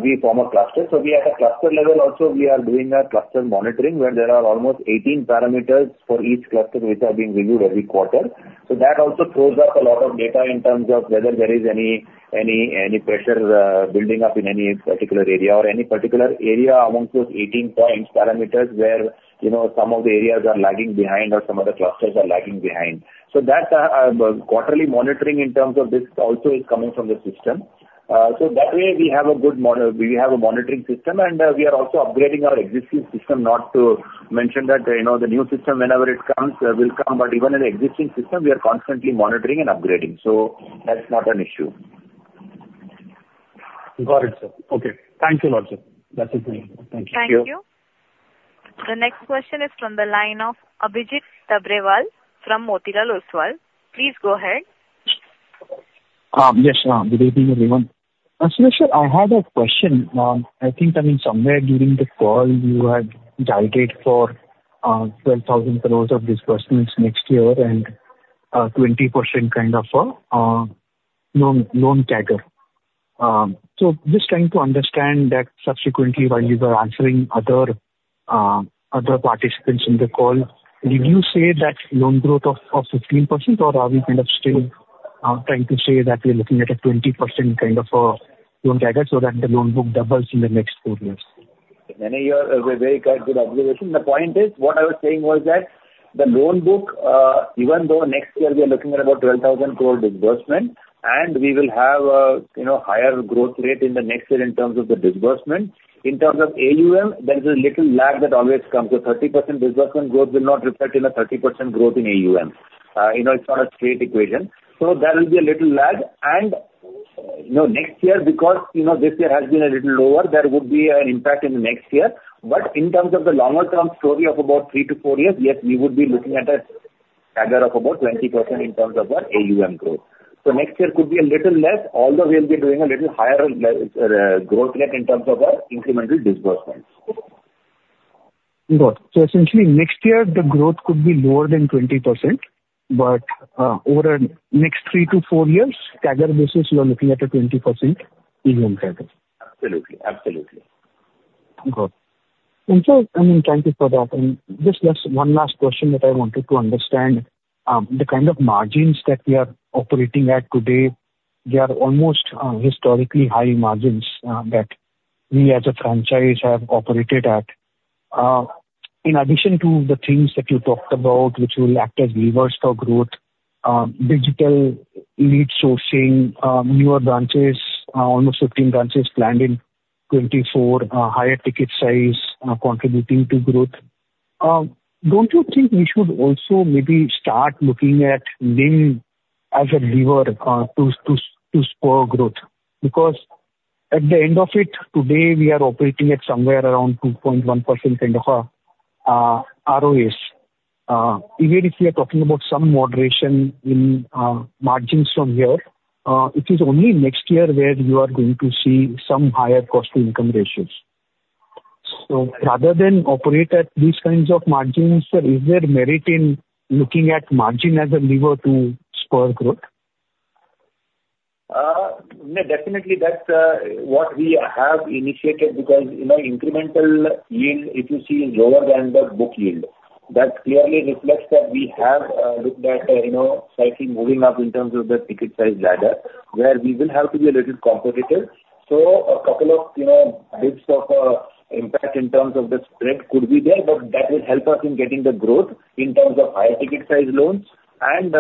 we form a cluster. So we at a cluster level also, we are doing a cluster monitoring, where there are almost 18 parameters for each cluster, which are being reviewed every quarter. So that also throws up a lot of data in terms of whether there is any pressure building up in any particular area or any particular area amongst those 18 points, parameters, where, you know, some of the areas are lagging behind or some of the clusters are lagging behind. So that quarterly monitoring in terms of this also is coming from the system. So that way, we have a good monitoring system, and we are also upgrading our existing system. Not to mention that, you know, the new system whenever it comes, will come, but even in the existing system, we are constantly monitoring and upgrading. So that's not an issue.... Got it, sir. Okay. Thank you a lot, sir. That's it. Thank you. Thank you. The next question is from the line of Abhijit Tibrewal from Motilal Oswal. Please go ahead. Yes, good evening, everyone. Suresh, I had a question. I think, I mean, somewhere during the call, you had guided for 12,000 crore of disbursements next year and 20% kind of loan CAGR. So just trying to understand that subsequently, while you were answering other participants in the call, did you say that loan growth of 15%, or are we kind of still trying to say that we are looking at a 20% kind of loan CAGR, so that the loan book doubles in the next 4 years? Many, you are, very kind, good observation. The point is, what I was saying was that the loan book, even though next year we are looking at about 12,000 crore disbursement, and we will have, you know, higher growth rate in the next year in terms of the disbursement. In terms of AUM, there is a little lag that always comes. So 30% disbursement growth will not reflect in a 30% growth in AUM. You know, it's not a straight equation. So there will be a little lag. And, you know, next year, because, you know, this year has been a little lower, there would be an impact in the next year. But in terms of the longer term story of about 3-4 years, yes, we would be looking at a CAGR of about 20% in terms of our AUM growth. So next year could be a little less, although we'll be doing a little higher growth rate in terms of our incremental disbursements. Got it. So essentially, next year the growth could be lower than 20%, but over the next three to four years, CAGR basis, you are looking at a 20% AUM CAGR. Absolutely. Absolutely. Good. And so, I mean, thank you for that. And just one last question that I wanted to understand. The kind of margins that we are operating at today, they are almost historically high margins that we as a franchise have operated at. In addition to the things that you talked about, which will act as levers for growth, digital lead sourcing, newer branches, almost 15 branches planned in 2024, higher ticket size, contributing to growth. Don't you think we should also maybe start looking at NIM as a lever to spur growth? Because at the end of it, today, we are operating at somewhere around 2.1% kind of RoA. Even if we are talking about some moderation in margins from here, it is only next year where you are going to see some higher cost to income ratios. So rather than operate at these kinds of margins, sir, is there merit in looking at margin as a lever to spur growth? No, definitely that's what we have initiated, because, you know, incremental yield, if you see, is lower than the book yield. That clearly reflects that we have looked at you know, slightly moving up in terms of the ticket size ladder, where we will have to be a little competitive. So a couple of you know, bits of impact in terms of the spread could be there, but that will help us in getting the growth in terms of higher ticket size loans and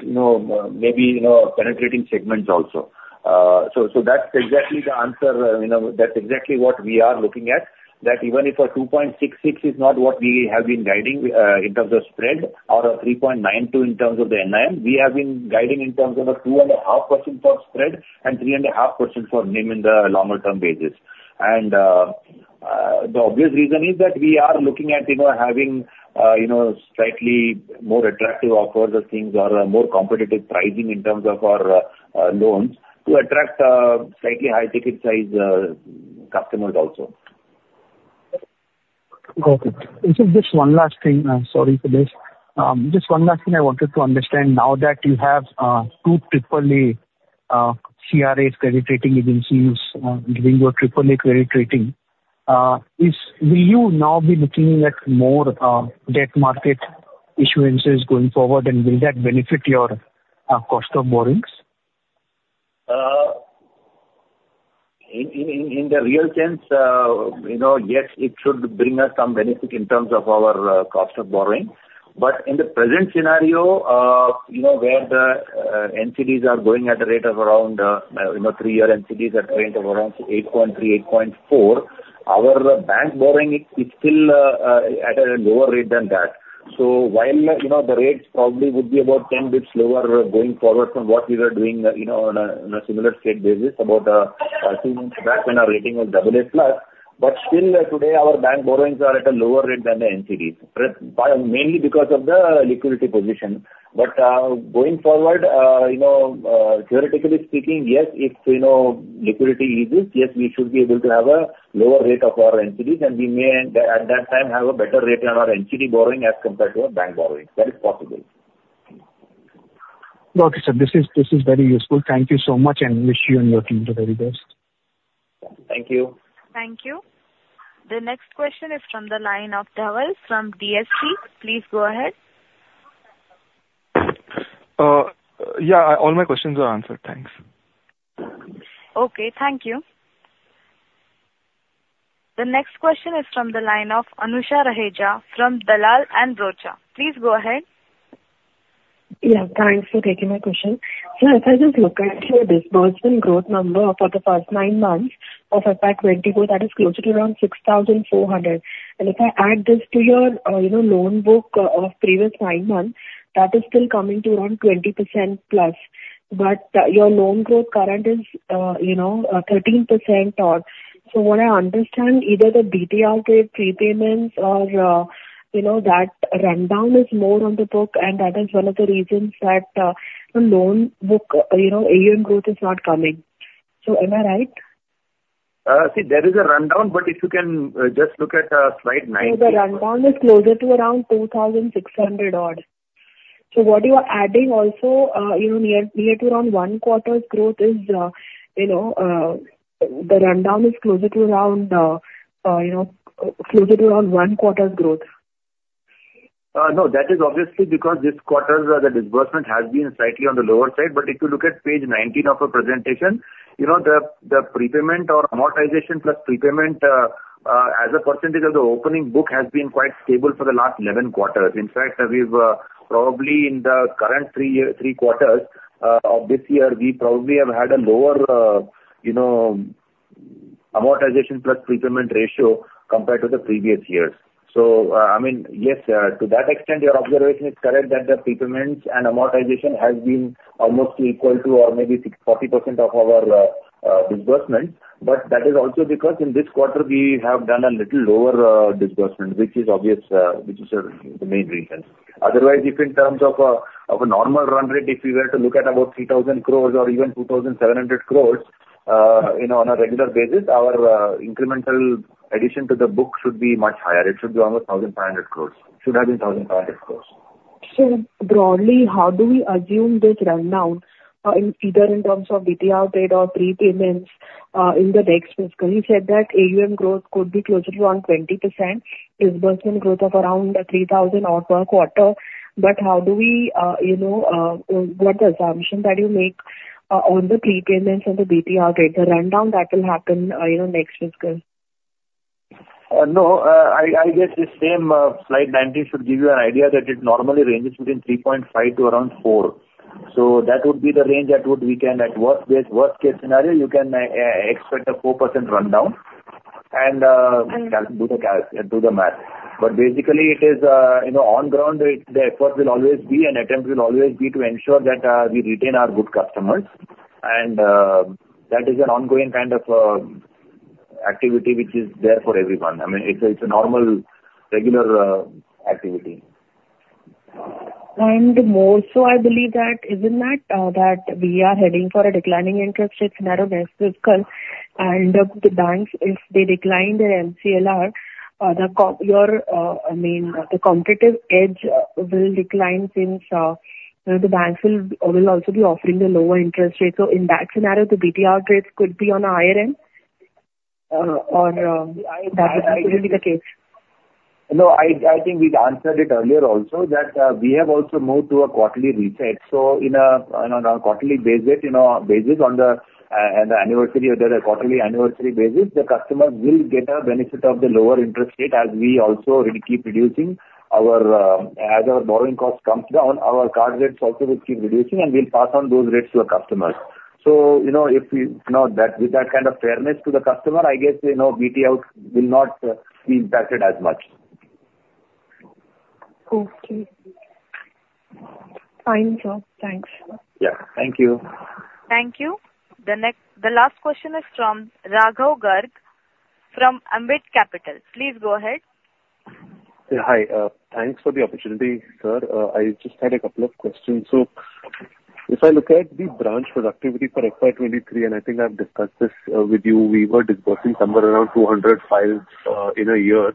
you know, maybe you know, penetrating segments also. So that's exactly the answer, you know, that's exactly what we are looking at, that even if a 2.66 is not what we have been guiding, in terms of spread or a 3.92 in terms of the NIM, we have been guiding in terms of a 2.5% for spread and 3.5% for NIM in the longer term basis. And the obvious reason is that we are looking at, you know, having, you know, slightly more attractive offers or things or more competitive pricing in terms of our, loans to attract, slightly higher ticket size, customers also. Got it. This is just one last thing. Sorry for this. Just one last thing I wanted to understand, now that you have two triple A ICRA credit rating agencies giving you a triple A credit rating... Will you now be looking at more debt market issuances going forward, and will that benefit your cost of borrowings? In the real sense, you know, yes, it should bring us some benefit in terms of our cost of borrowing. But in the present scenario, you know, where the NCDs are going at a rate of around, you know, three-year NCDs are going at around 8.3, 8.4, our bank borrowing is still at a lower rate than that. So while, you know, the rates probably would be about 10 basis points lower going forward from what we were doing, you know, on a similar state basis about 2 months back when our rating was AA+, but still, today, our bank borrowings are at a lower rate than the NCDs, primarily because of the liquidity position. But, going forward, you know, theoretically speaking, yes, if, you know, liquidity eases, yes, we should be able to have a lower rate of our NCDs, and we may at that, at that time, have a better rate on our NCD borrowing as compared to our bank borrowing. That is possible. Okay, sir. This is, this is very useful. Thank you so much, and wish you and your team the very best. Thank you. Thank you. The next question is from the line of Dhaval from DSP. Please go ahead. Yeah, all my questions are answered. Thanks. Okay. Thank you. The next question is from the line of Anusha Raheja from Dalal and Broacha. Please go ahead. Yeah, thanks for taking my question. So as I just look at your disbursement growth number for the first nine months of FY 2024, that is closer to around 6,400. And if I add this to your, you know, loan book of previous nine months, that is still coming to around 20% plus, but your loan growth current is, you know, 13% odd. So what I understand, either the BT prepayments or, you know, that rundown is more on the book, and that is one of the reasons that the loan book, you know, AUM growth is not coming. So am I right? See, there is a rundown, but if you can just look at slide 19. So the rundown is closer to around 2,600 odd. So what you are adding also, you know, near to around one quarter's growth is, you know, the rundown is closer to around, you know, closer to around one quarter's growth. No, that is obviously because this quarter's disbursement has been slightly on the lower side. But if you look at page 19 of the presentation, you know, the prepayment or amortization plus prepayment as a percentage of the opening book has been quite stable for the last 11 quarters. In fact, we've probably in the current 3 year, 3 quarters of this year, we probably have had a lower you know, amortization plus prepayment ratio compared to the previous years. So, I mean, yes, to that extent your observation is correct, that the prepayments and amortization has been almost equal to or maybe 60%-40% of our disbursement. But that is also because in this quarter we have done a little lower disbursement, which is obvious, which is the main reason. Otherwise, if in terms of a normal run rate, if you were to look at about 3,000 crore or even 2,700 crore, you know, on a regular basis, our incremental addition to the book should be much higher. It should be around 1,500 crore. Should have been 1,500 crore. So broadly, how do we assume this rundown, in either in terms of BTR rate or prepayments, in the next fiscal? You said that AUM growth could be closer to around 20%, disbursement growth of around, 3,000 odd per quarter. But how do we, you know, what's the assumption that you make, on the prepayments and the BTR rate, the rundown that will happen, you know, next fiscal? No, I guess the same slide 90 should give you an idea that it normally ranges between 3.5 to around 4. So that would be the range at which we can, at worst case, worst case scenario, you can expect a 4% rundown, and- Mm-hmm. Do the math. But basically, it is, you know, on ground, the effort will always be, and attempt will always be to ensure that we retain our good customers. And that is an ongoing kind of activity which is there for everyone. I mean, it's a normal, regular activity. And more so, I believe that, isn't that, that we are heading for a declining interest rate scenario next fiscal? And, the banks, if they decline their MCLR, I mean, the competitive edge, will decline since, you know, the banks will also be offering the lower interest rates. So in that scenario, the BT rates could be on a higher end, or, that could be the case. No, I think we've answered it earlier also, that we have also moved to a quarterly reset. So in a, on a quarterly basis, you know, basis on the at the anniversary, or the quarterly anniversary basis, the customers will get a benefit of the lower interest rate as we also will keep reducing our. As our borrowing cost comes down, our card rates also will keep reducing, and we'll pass on those rates to the customers. So, you know, if we, you know, with that kind of fairness to the customer, I guess, you know, BTR will not be impacted as much. Okay. Fine, sir. Thanks. Yeah. Thank you. Thank you. The next... The last question is from Raghav Garg from Ambit Capital. Please go ahead. Yeah, hi. Thanks for the opportunity, sir. I just had a couple of questions. So if I look at the branch productivity for FY 2023, and I think I've discussed this with you, we were disbursing somewhere around 200 files in a year.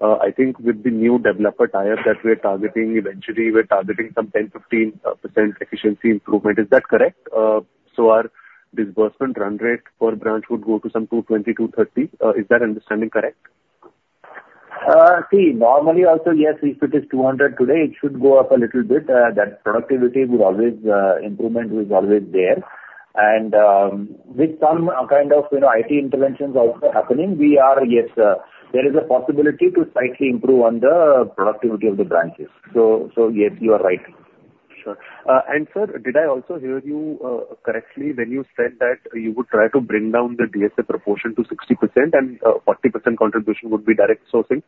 I think with the new developer tier that we're targeting, eventually we're targeting some 10%-15% efficiency improvement. Is that correct? So our disbursement run rate per branch would go to some 220-230. Is that understanding correct? See, normally also, yes, if it is 200 today, it should go up a little bit. That productivity would always, improvement is always there. And, with some, kind of, you know, IT interventions also happening, we are, yes, there is a possibility to slightly improve on the productivity of the branches. So yes, you are right. Sure. And sir, did I also hear you correctly when you said that you would try to bring down the DSA proportion to 60% and 40% contribution would be direct sourcing?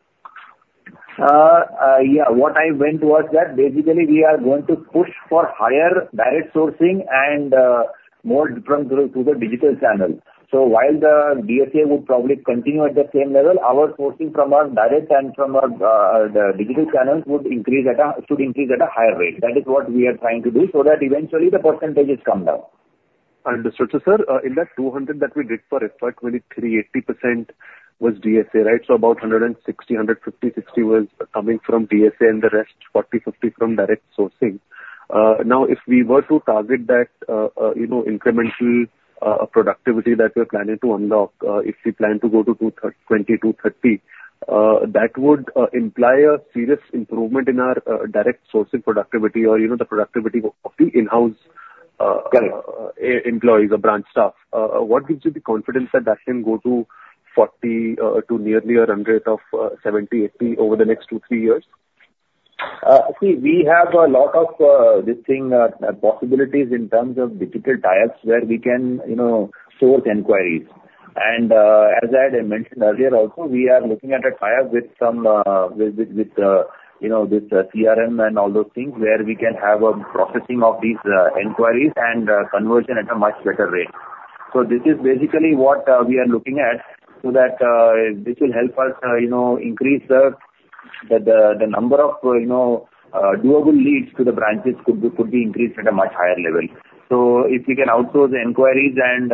What I meant was that basically we are going to push for higher direct sourcing and more reference to the digital channel. So while the DSA would probably continue at the same level, our sourcing from our direct and from our the digital channels would increase at a, should increase at a higher rate. That is what we are trying to do, so that eventually the percentages come down. Understood. So, sir, in that 200 crore that we did for FY 2023, 80% was DSA, right? So about 160, 150, 160 was coming from DSA, and the rest, 40, 50 from direct sourcing. Now, if we were to target that, you know, incremental productivity that we're planning to unlock, if we plan to go to 230, that would imply a serious improvement in our direct sourcing productivity or, you know, the productivity of the in-house, Correct. employees or branch staff. What gives you the confidence that that can go to 40 to nearly a run rate of 70-80 over the next 2-3 years? See, we have a lot of this thing possibilities in terms of digital tiers, where we can, you know, source inquiries. And, as I had mentioned earlier also, we are looking at a tie-up with some, you know, with CRM and all those things, where we can have a processing of these inquiries and conversion at a much better rate. So this is basically what we are looking at, so that this will help us, you know, increase the number of, you know, doable leads to the branches could be increased at a much higher level. So if we can outsource the inquiries and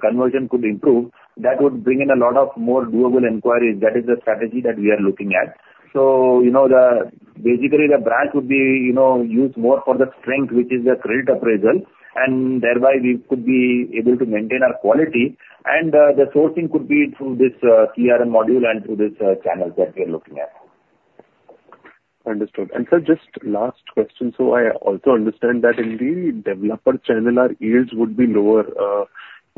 conversion could improve, that would bring in a lot more doable inquiries. That is the strategy that we are looking at. So, you know, basically the branch would be, you know, used more for the strength, which is the credit appraisal, and thereby we could be able to maintain our quality, and the sourcing could be through this CRM module and through this channel that we are looking at. Understood. And sir, just last question: so I also understand that in the developer channel, our yields would be lower,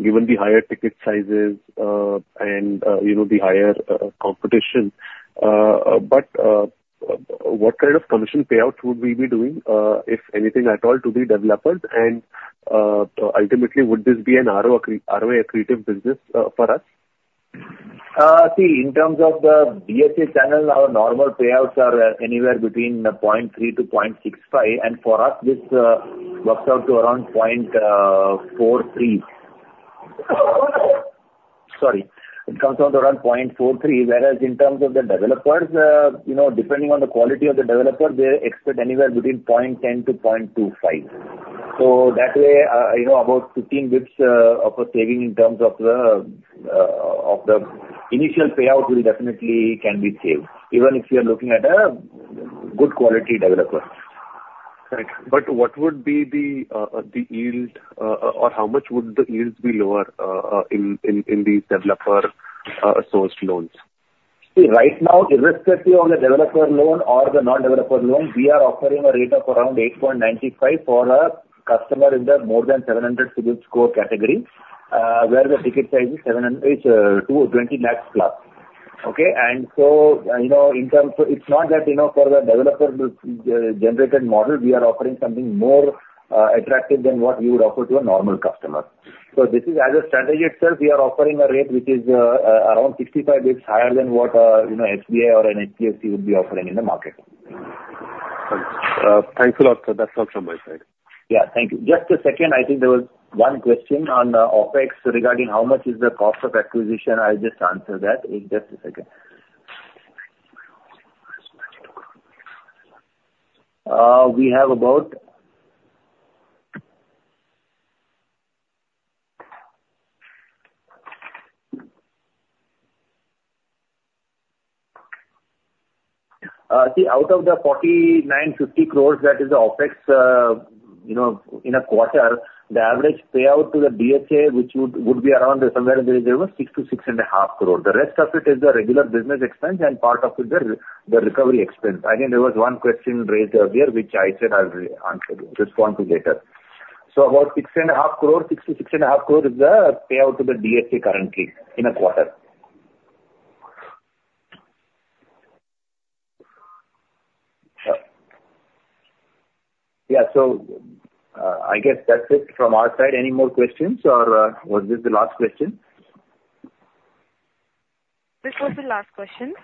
given the higher ticket sizes, and, you know, the higher competition. But, what kind of commission payout would we be doing, if anything at all, to the developers? And, ultimately, would this be an RO- ROA accretive business, for us? See, in terms of the DSA channel, our normal payouts are anywhere between 0.3%-0.65%, and for us, this works out to around 0.43%. Sorry. It comes out to around 0.43%, whereas in terms of the developers, you know, depending on the quality of the developer, they expect anywhere between 0.10%-0.25%. So that way, you know, about 15 basis points of a saving in terms of the initial payout will definitely can be saved, even if you are looking at a good quality developer. Right. But what would be the yield, or how much would the yields be lower, in these developer sourced loans? See, right now, irrespective of the developer loan or the non-developer loan, we are offering a rate of around 8.95 for a customer in the more than 700 CIBIL score category, where the ticket size is 72 crore plus. Okay? And so, you know, in terms of... It's not that, you know, for the developer-generated model, we are offering something more attractive than what we would offer to a normal customer. So this is as a strategy itself, we are offering a rate which is around 65 basis points higher than what, you know, SBI or an HDFC would be offering in the market. Thanks a lot, sir. That's all from my side. Yeah. Thank you. Just a second, I think there was one question on OpEx, regarding how much is the cost of acquisition. I'll just answer that in just a second. We have about. See, out of the 49-50 crore, that is the OpEx, you know, in a quarter, the average payout to the DSA, which would be around somewhere between 6-6.5 crore. The rest of it is the regular business expense, and part of it is the recovery expense. I think there was one question raised earlier, which I said I'll re-answer, respond to later. So about 6.5 crore, 6-6.5 crore, is the payout to the DSA currently in a quarter. Yeah, so I guess that's it from our side. Any more questions, or, was this the last question? This was the last question.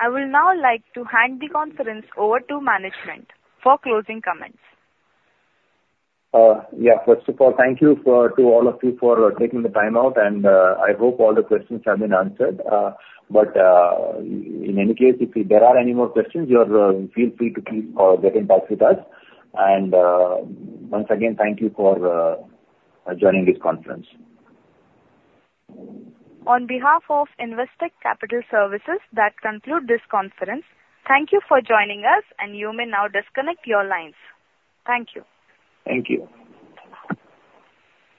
I will now like to hand the conference over to management for closing comments. Yeah. First of all, thank you to all of you for taking the time out, and I hope all the questions have been answered. But in any case, if there are any more questions, feel free to keep or get in touch with us. And once again, thank you for joining this conference. On behalf of Investec Capital Services, that concludes this conference. Thank you for joining us, and you may now disconnect your lines. Thank you. Thank you.